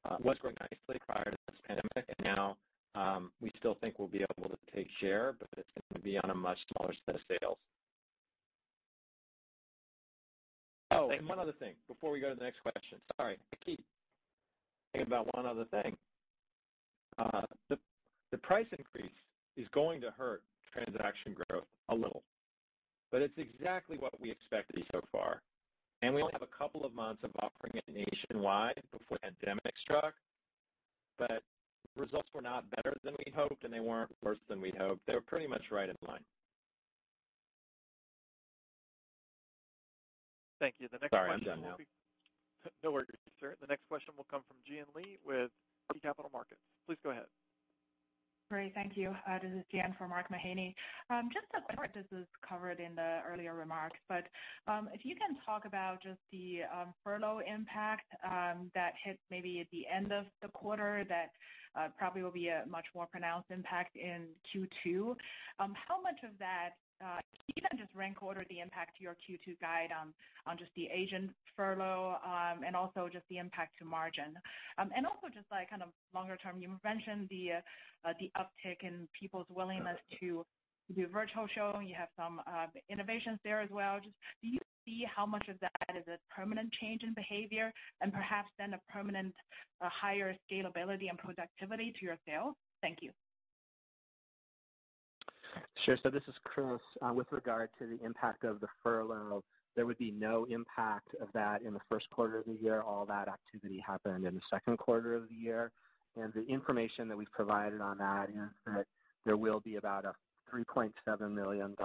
nicely prior to this pandemic, and now, we still think we'll be able to take share, but it's going to be on a much smaller set of sales. One other thing before we go to the next question. Sorry. I keep thinking about one other thing. The price increase is going to hurt transaction growth a little, but it's exactly what we expected so far, and we only have a couple of months of offering it nationwide before the pandemic struck. The results were not better than we hoped, and they weren't worse than we hoped. They were pretty much right in line. Thank you. The next question will be- Sorry, I'm done now. No worries, sir. The next question will come from Jian Li with RBC Capital Markets. Please go ahead. Great. Thank you. This is Jian for Mark Mahaney. How much this is covered in the earlier remarks, but, if you can talk about just the furlough impact, that hit maybe at the end of the quarter, that probably will be a much more pronounced impact in Q2. How much of that, can you even just rank order the impact to your Q2 guide on just the agent furlough, and also just the impact to margin? Also just longer-term, you mentioned the uptick in people's willingness to do a virtual show, and you have some innovations there as well. Do you see how much of that is a permanent change in behavior and perhaps then a permanent higher scalability and productivity to your sales? Thank you. Sure. This is Chris. With regard to the impact of the furlough, there would be no impact of that in the first quarter of the year. All that activity happened in the second quarter of the year, and the information that we've provided on that is that there will be about a $3.7 million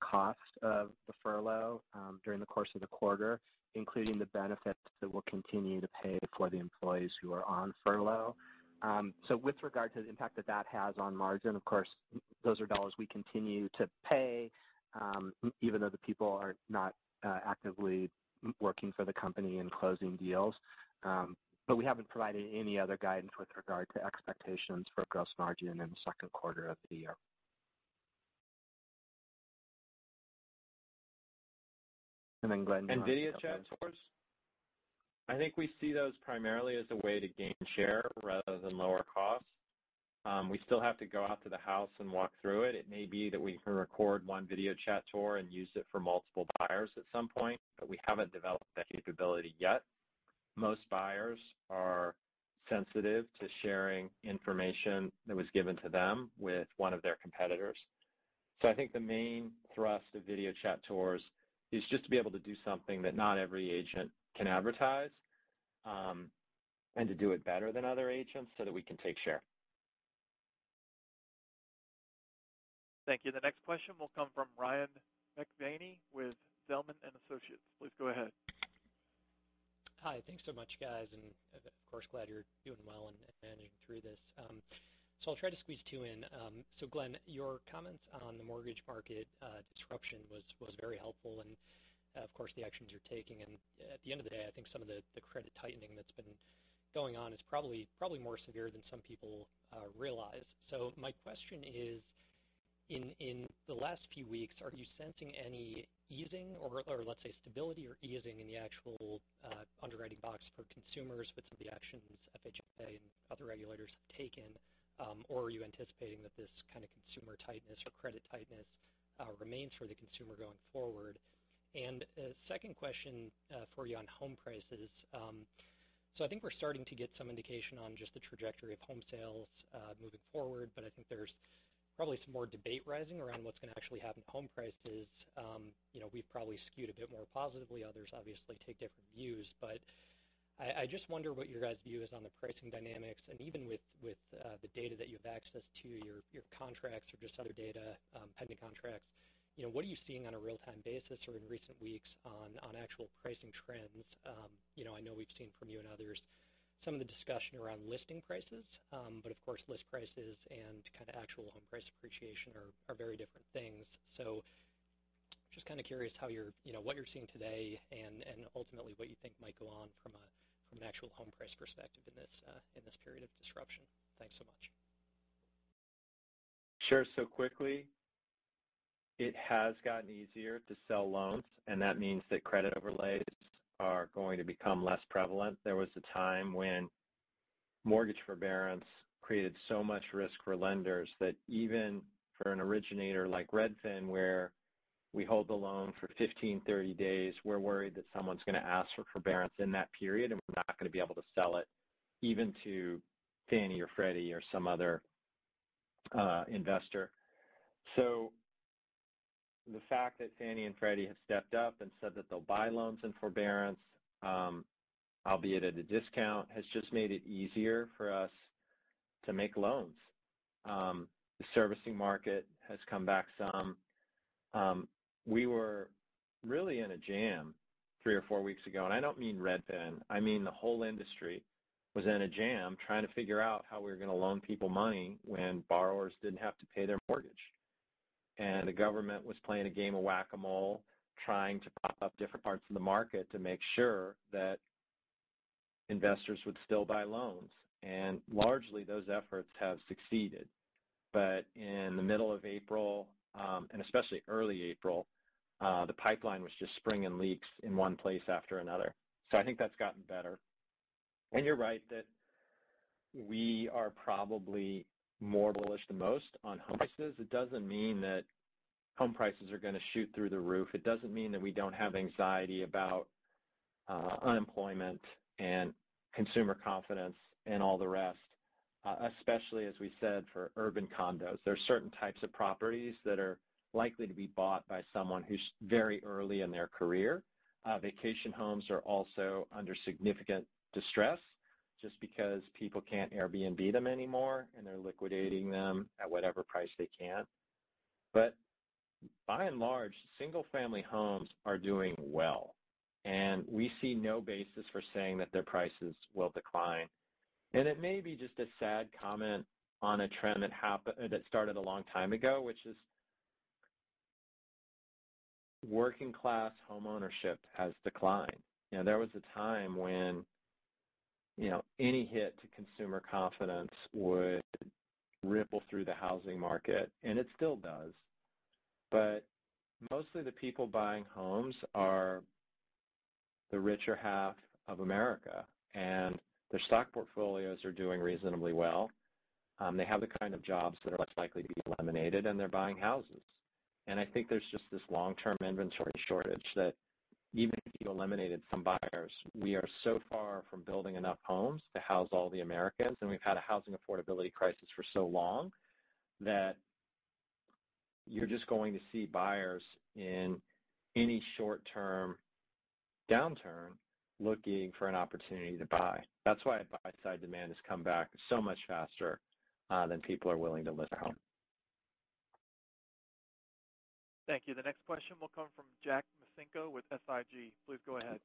cost of the furlough, during the course of the quarter, including the benefits that we'll continue to pay for the employees who are on furlough. With regard to the impact that that has on margin, of course, those are dollars we continue to pay, even though the people are not actively working for the company and closing deals. We haven't provided any other guidance with regard to expectations for gross margin in the second quarter of the year. Glenn, Video chat tours? I think we see those primarily as a way to gain share rather than lower costs. We still have to go out to the house and walk through it. It may be that we can record one video chat tour and use it for multiple buyers at some point, but we haven't developed that capability yet. Most buyers are sensitive to sharing information that was given to them with one of their competitors. I think the main thrust of video chat tours is just to be able to do something that not every agent can advertise, and to do it better than other agents so that we can take share. Thank you. The next question will come from Ryan McKeveny with Zelman & Associates. Please go ahead. Hi. Thanks so much, guys, of course, glad you're doing well and managing through this. I'll try to squeeze two in. Glenn, your comments on the mortgage market disruption was very helpful and, of course, the actions you're taking. At the end of the day, I think some of the credit tightening that's been going on is probably more severe than some people realize. My question is, in the last few weeks, are you sensing any easing or let's say, stability or easing in the actual underwriting box for consumers with some of the actions FHFA and other regulators have taken? Or are you anticipating that this kind of consumer tightness or credit tightness remains for the consumer going forward? A second question for you on home prices. I think we're starting to get some indication on just the trajectory of home sales moving forward, but I think there's probably some more debate rising around what's going to actually happen to home prices. We've probably skewed a bit more positively. Others obviously take different views, but I just wonder what your guys' view is on the pricing dynamics and even with the data that you have access to, your contracts or just other data, pending contracts. What are you seeing on a real-time basis or in recent weeks on actual pricing trends? I know we've seen from you and others some of the discussion around listing prices, but of course, list prices and actual home price appreciation are very different things. Just curious what you're seeing today and ultimately what you think might go on from an actual home price perspective in this period of disruption. Thanks so much. Sure. Quickly, it has gotten easier to sell loans, and that means that credit overlays are going to become less prevalent. There was a time when mortgage forbearance created so much risk for lenders that even for an originator like Redfin, where we hold the loan for 15, 30 days, we're worried that someone's going to ask for forbearance in that period, and we're not going to be able to sell it even to Fannie or Freddie or some other investor. The fact that Fannie and Freddie have stepped up and said that they'll buy loans in forbearance, albeit at a discount, has just made it easier for us to make loans. The servicing market has come back some. We were really in a jam three or four weeks ago, and I don't mean Redfin, I mean the whole industry was in a jam trying to figure out how we were going to loan people money when borrowers didn't have to pay their mortgage. The government was playing a game of Whac-A-Mole, trying to prop up different parts of the market to make sure that investors would still buy loans. Largely, those efforts have succeeded. In the middle of April, and especially early April, the pipeline was just springing leaks in one place after another. I think that's gotten better. You're right that we are probably more bullish than most on home prices. It doesn't mean that home prices are going to shoot through the roof. It doesn't mean that we don't have anxiety about unemployment and consumer confidence and all the rest, especially, as we said, for urban condos. There are certain types of properties that are likely to be bought by someone who's very early in their career. Vacation homes are also under significant distress just because people can't Airbnb them anymore, and they're liquidating them at whatever price they can. By and large, single-family homes are doing well, and we see no basis for saying that their prices will decline. It may be just a sad comment on a trend that started a long time ago, which is working-class homeownership has declined. There was a time when any hit to consumer confidence would ripple through the housing market, and it still does. Mostly the people buying homes are the richer half of America, and their stock portfolios are doing reasonably well. They have the kind of jobs that are less likely to be eliminated, and they're buying houses. I think there's just this long-term inventory shortage that even if you eliminated some buyers, we are so far from building enough homes to house all the Americans, and we've had a housing affordability crisis for so long, that you're just going to see buyers in any short-term downturn looking for an opportunity to buy. That's why buy-side demand has come back so much faster than people are willing to list their home. Thank you. The next question will come from Jack Micenko with SIG. Please go ahead.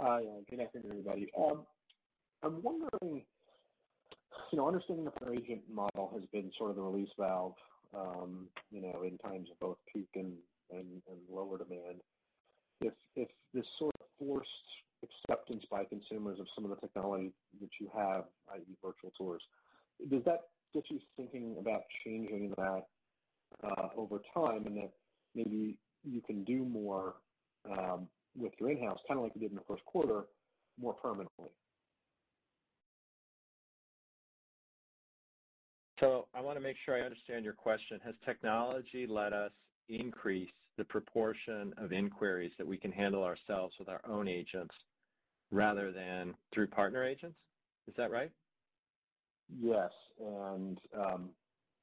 Hi, good afternoon, everybody. I'm wondering, understanding that the agent model has been sort of the release valve in times of both peak and lower demand. If this sort of forced acceptance by consumers of some of the technology that you have, i.e. virtual tours, does that get you thinking about changing that over time, and that maybe you can do more with your in-house, kind of like you did in the first quarter, more permanently? I want to make sure I understand your question. Has technology let us increase the proportion of inquiries that we can handle ourselves with our own agents rather than through partner agents? Is that right? Yes.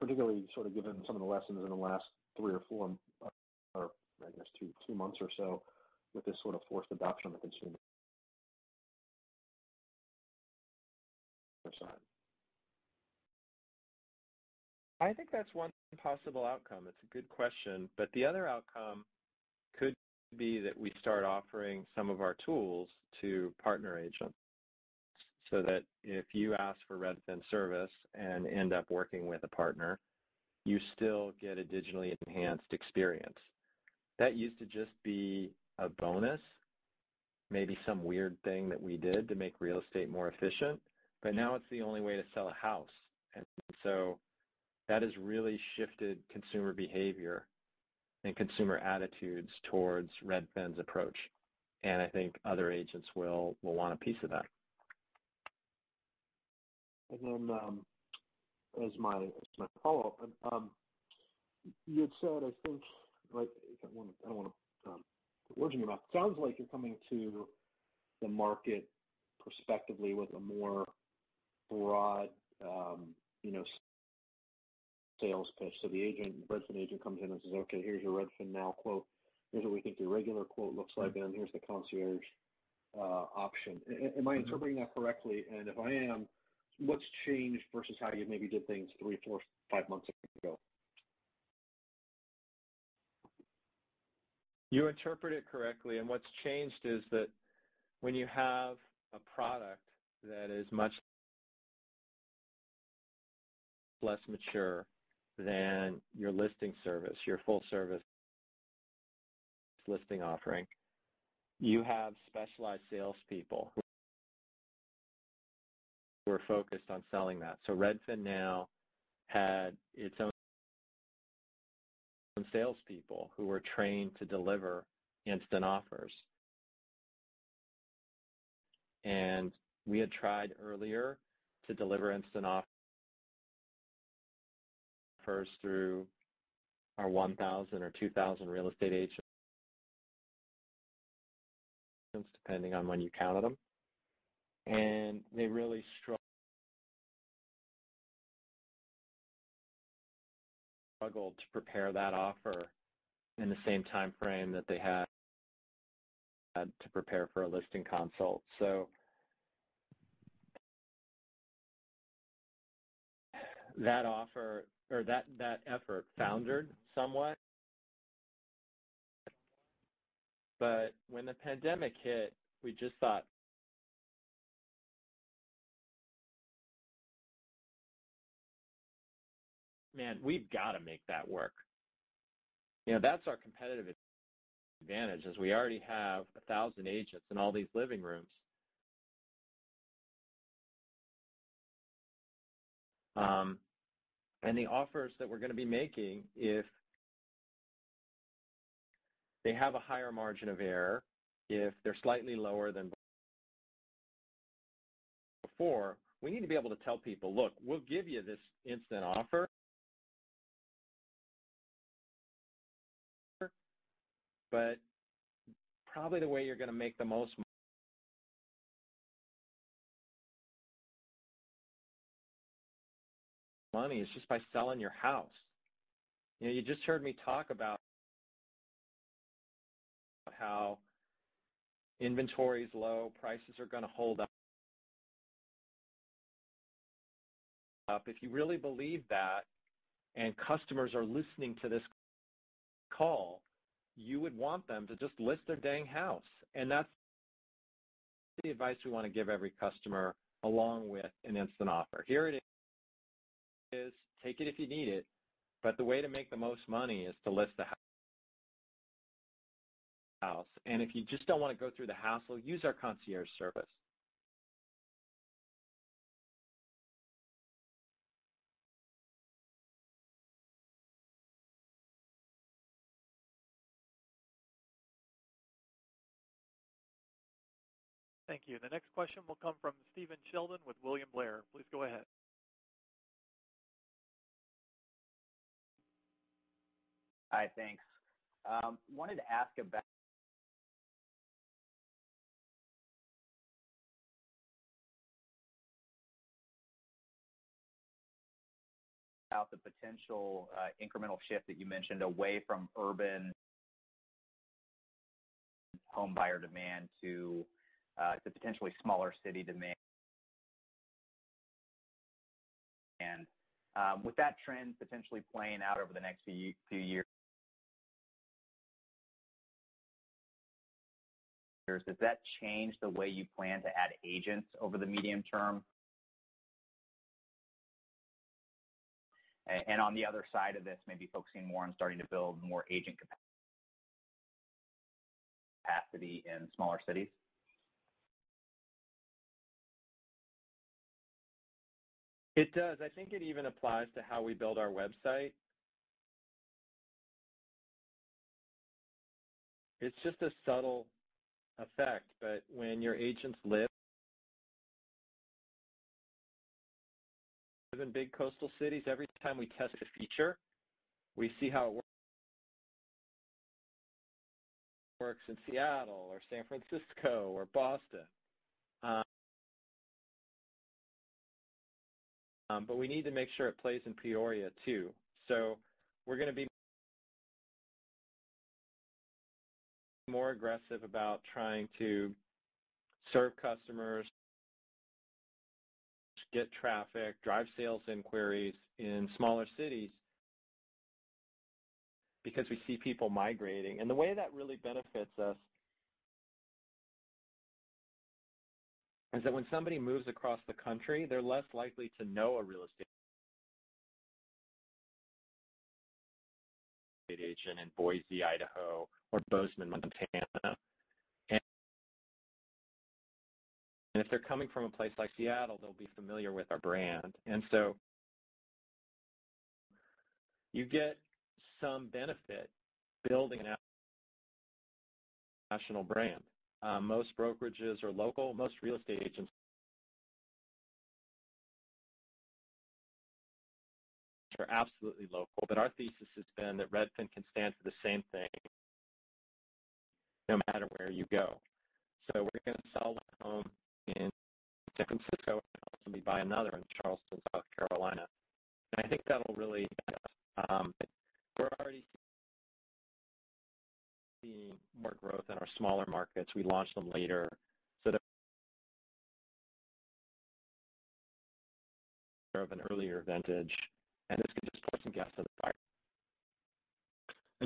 Particularly sort of given some of the lessons in the last three or four or I guess two months or so with this sort of forced adoption of consumer side. I think that's one possible outcome. It's a good question, but the other outcome could be that we start offering some of our tools to partner agents, so that if you ask for Redfin service and end up working with a partner, you still get a digitally enhanced experience. That used to just be a bonus, maybe some weird thing that we did to make real estate more efficient. Now it's the only way to sell a house. That has really shifted consumer behavior and consumer attitudes towards Redfin's approach. I think other agents will want a piece of that. Then as my follow-up, you had said, I think, I don't want to put words in your mouth. Sounds like you're coming to the market perspectively with a more broad sales pitch. The Redfin agent comes in and says, "Okay, here's your RedfinNow quote. Here's what we think your regular quote looks like, and here's the Concierge option." Am I interpreting that correctly? If I am, what's changed versus how you maybe did things three, four, five months ago? You interpret it correctly. What's changed is that when you have a product that is much less mature than your listing service, your full-service listing offering, you have specialized salespeople who are focused on selling that. RedfinNow had its own salespeople who were trained to deliver instant offers. We had tried earlier to deliver instant offers through our 1,000 or 2,000 real estate agents, depending on when you counted them. They really struggled to prepare that offer in the same timeframe that they had to prepare for a listing consult. That offer or that effort foundered somewhat. When the pandemic hit, we just thought, "Man, we've got to make that work." That's our competitive advantage, is we already have 1,000 agents in all these living rooms. The offers that we're going to be making, if they have a higher margin of error, if they're slightly lower than before, we need to be able to tell people, "Look, we'll give you this instant offer. Probably the way you're going to make the most money is just by selling your house." You just heard me talk about how inventory is low, prices are going to hold up. If you really believe that, and customers are listening to this call, you would want them to just list their dang house. That's the advice we want to give every customer, along with an instant offer. Here it is. Take it if you need it. The way to make the most money is to list the house. If you just don't want to go through the hassle, use our Concierge Service. Thank you. The next question will come from Stephen Sheldon with William Blair. Please go ahead. Hi, thanks. Wanted to ask about the potential incremental shift that you mentioned away from urban home buyer demand to the potentially smaller city demand. With that trend potentially playing out over the next few years, does that change the way you plan to add agents over the medium-term? On the other side of this, maybe focusing more on starting to build more agent capacity in smaller cities? It does. I think it even applies to how we build our website. It's just a subtle effect, but when your agents live in big coastal cities, every time we test a feature, we see how it works in Seattle or San Francisco or Boston. We need to make sure it plays in Peoria, too. We're going to be more aggressive about trying to serve customers, get traffic, drive sales inquiries in smaller cities, because we see people migrating. The way that really benefits us is that when somebody moves across the country, they're less likely to know a real estate agent in Boise, Idaho, or Bozeman, Montana. If they're coming from a place like Seattle, they'll be familiar with our brand. You get some benefit building a national brand. Most brokerages are local. Most real estate agents are absolutely local. Our thesis has been that Redfin can stand for the same thing no matter where you go. We're going to sell a home in San Francisco, and also maybe buy another in Charleston, South Carolina. I think that'll really benefit. We're already seeing more growth in our smaller markets. We launched them later, so they have an earlier advantage, and this can just pour some gas on the fire.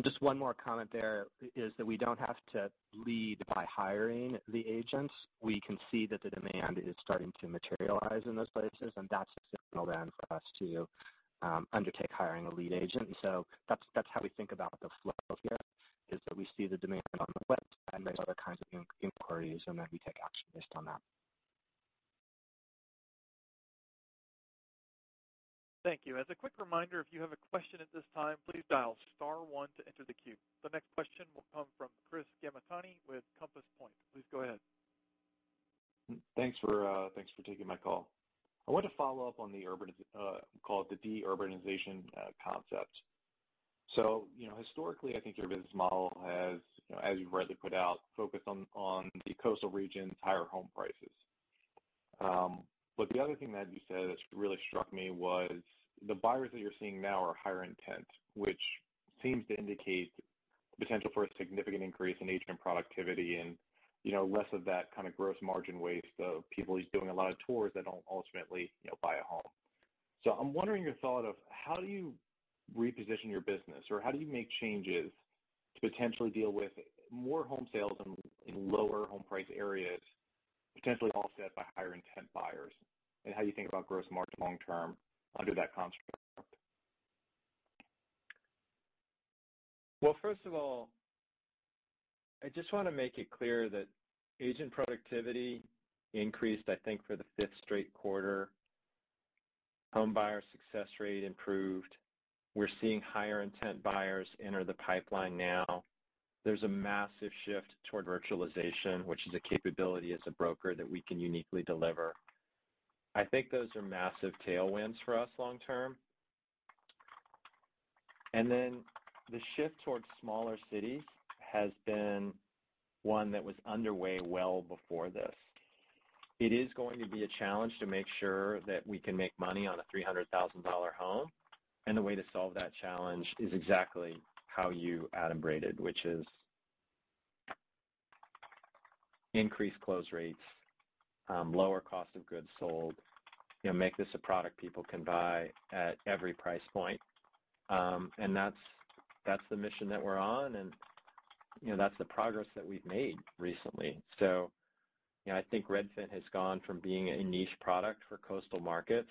Just one more comment there is that we don't have to lead by hiring the agents. We can see that the demand is starting to materialize in those places, and that's a signal then for us to undertake hiring a lead agent. That's how we think about the flow here, is that we see the demand on the web and raise other kinds of inquiries, and then we take action based on that. Thank you. As a quick reminder, if you have a question at this time, please dial star one to enter the queue. The next question will come from Chris Gamaitoni with Compass Point. Please go ahead. Thanks for taking my call. I wanted to follow up on the de-urbanization concept. Historically, I think your business model has, as you've rightly put out, focused on the coastal regions' higher home prices. The other thing that you said that really struck me was the buyers that you're seeing now are higher intent, which seems to indicate potential for a significant increase in agent productivity and less of that gross margin waste of people who's doing a lot of tours that don't ultimately buy a home. I'm wondering your thought of how do you reposition your business, or how do you make changes to potentially deal with more home sales in lower home price areas, potentially offset by higher intent buyers, and how you think about gross margin long-term under that construct? Well, first of all, I just want to make it clear that agent productivity increased, I think, for the fifth straight quarter. Home buyer success rate improved. We're seeing higher intent buyers enter the pipeline now. There's a massive shift toward virtualization, which is a capability as a broker that we can uniquely deliver. I think those are massive tailwinds for us long-term. The shift towards smaller cities has been one that was underway well before this. It is going to be a challenge to make sure that we can make money on a $300,000 home, and the way to solve that challenge is exactly how you adumbrated, which is increase close rates, lower cost of goods sold, make this a product people can buy at every price point. That's the mission that we're on, and that's the progress that we've made recently. I think Redfin has gone from being a niche product for coastal markets,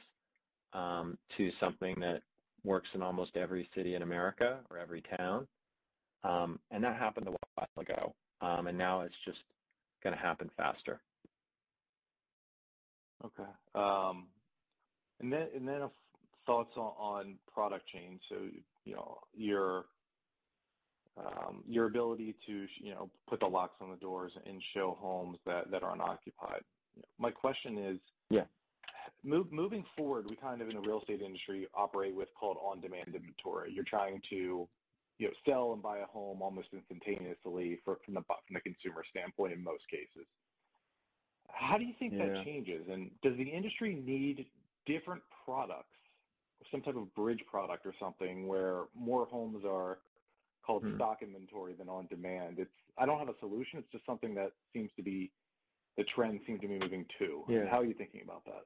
to something that works in almost every city in America or every town. That happened a while ago. Now it's just going to happen faster. Okay. Thoughts on product change. Your ability to put the locks on the doors and show homes that are unoccupied. My question is. Yeah. Moving forward, we in the real estate industry, operate with called on-demand inventory. You're trying to sell and buy a home almost instantaneously from the consumer standpoint, in most cases. How do you think that changes? Does the industry need different products or some type of bridge product or something where more homes are called stock inventory than on demand? I don't have a solution, it's just something that seems to be the trend seems to be moving to. Yeah. How are you thinking about that?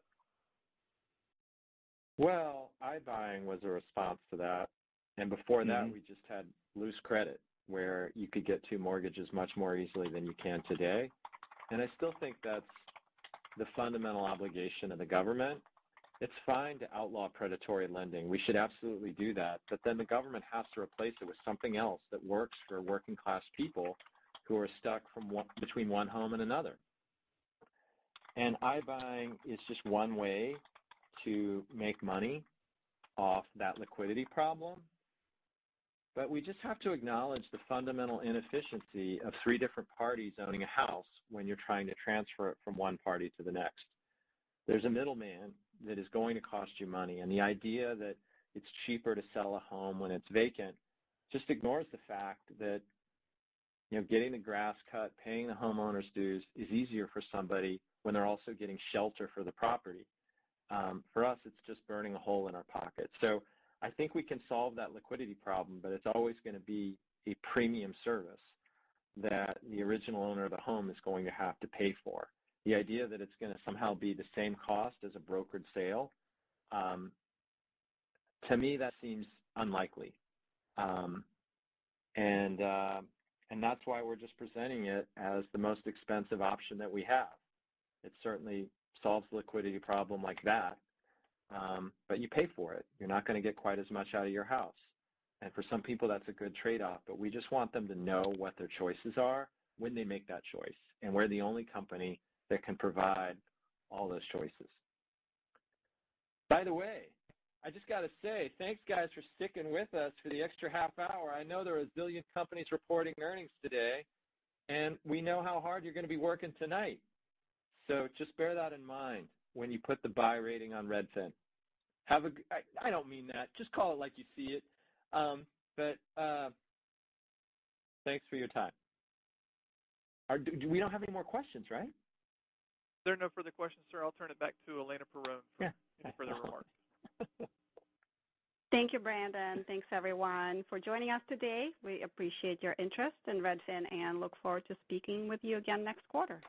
Well, iBuying was a response to that. Before that, we just had loose credit where you could get two mortgages much more easily than you can today. I still think that's the fundamental obligation of the government. It's fine to outlaw predatory lending. We should absolutely do that. The government has to replace it with something else that works for working-class people who are stuck between one home and another. iBuying is just one way to make money off that liquidity problem. We just have to acknowledge the fundamental inefficiency of three different parties owning a house when you're trying to transfer it from one party to the next. There's a middleman that is going to cost you money, and the idea that it's cheaper to sell a home when it's vacant just ignores the fact that getting the grass cut, paying the homeowners' dues is easier for somebody when they're also getting shelter for the property. For us, it's just burning a hole in our pocket. I think we can solve that liquidity problem, but it's always going to be a premium service that the original owner of the home is going to have to pay for. The idea that it's going to somehow be the same cost as a brokered sale, to me, that seems unlikely. That's why we're just presenting it as the most expensive option that we have. It certainly solves the liquidity problem like that. You pay for it. You're not going to get quite as much out of your house. For some people, that's a good trade-off, but we just want them to know what their choices are when they make that choice. We're the only company that can provide all those choices. By the way, I just got to say, thanks guys for sticking with us for the extra half hour. I know there are a zillion companies reporting earnings today, and we know how hard you're going to be working tonight. Just bear that in mind when you put the buy rating on Redfin. I don't mean that, just call it like you see it. Thanks for your time. We don't have any more questions, right? There are no further questions, sir. I'll turn it back to Elena Perron for any further remarks. Thank you, Brandon. Thanks, everyone, for joining us today. We appreciate your interest in Redfin and look forward to speaking with you again next quarter.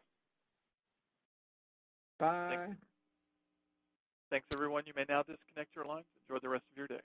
Bye. Thanks everyone. You may now disconnect your lines. Enjoy the rest of your day.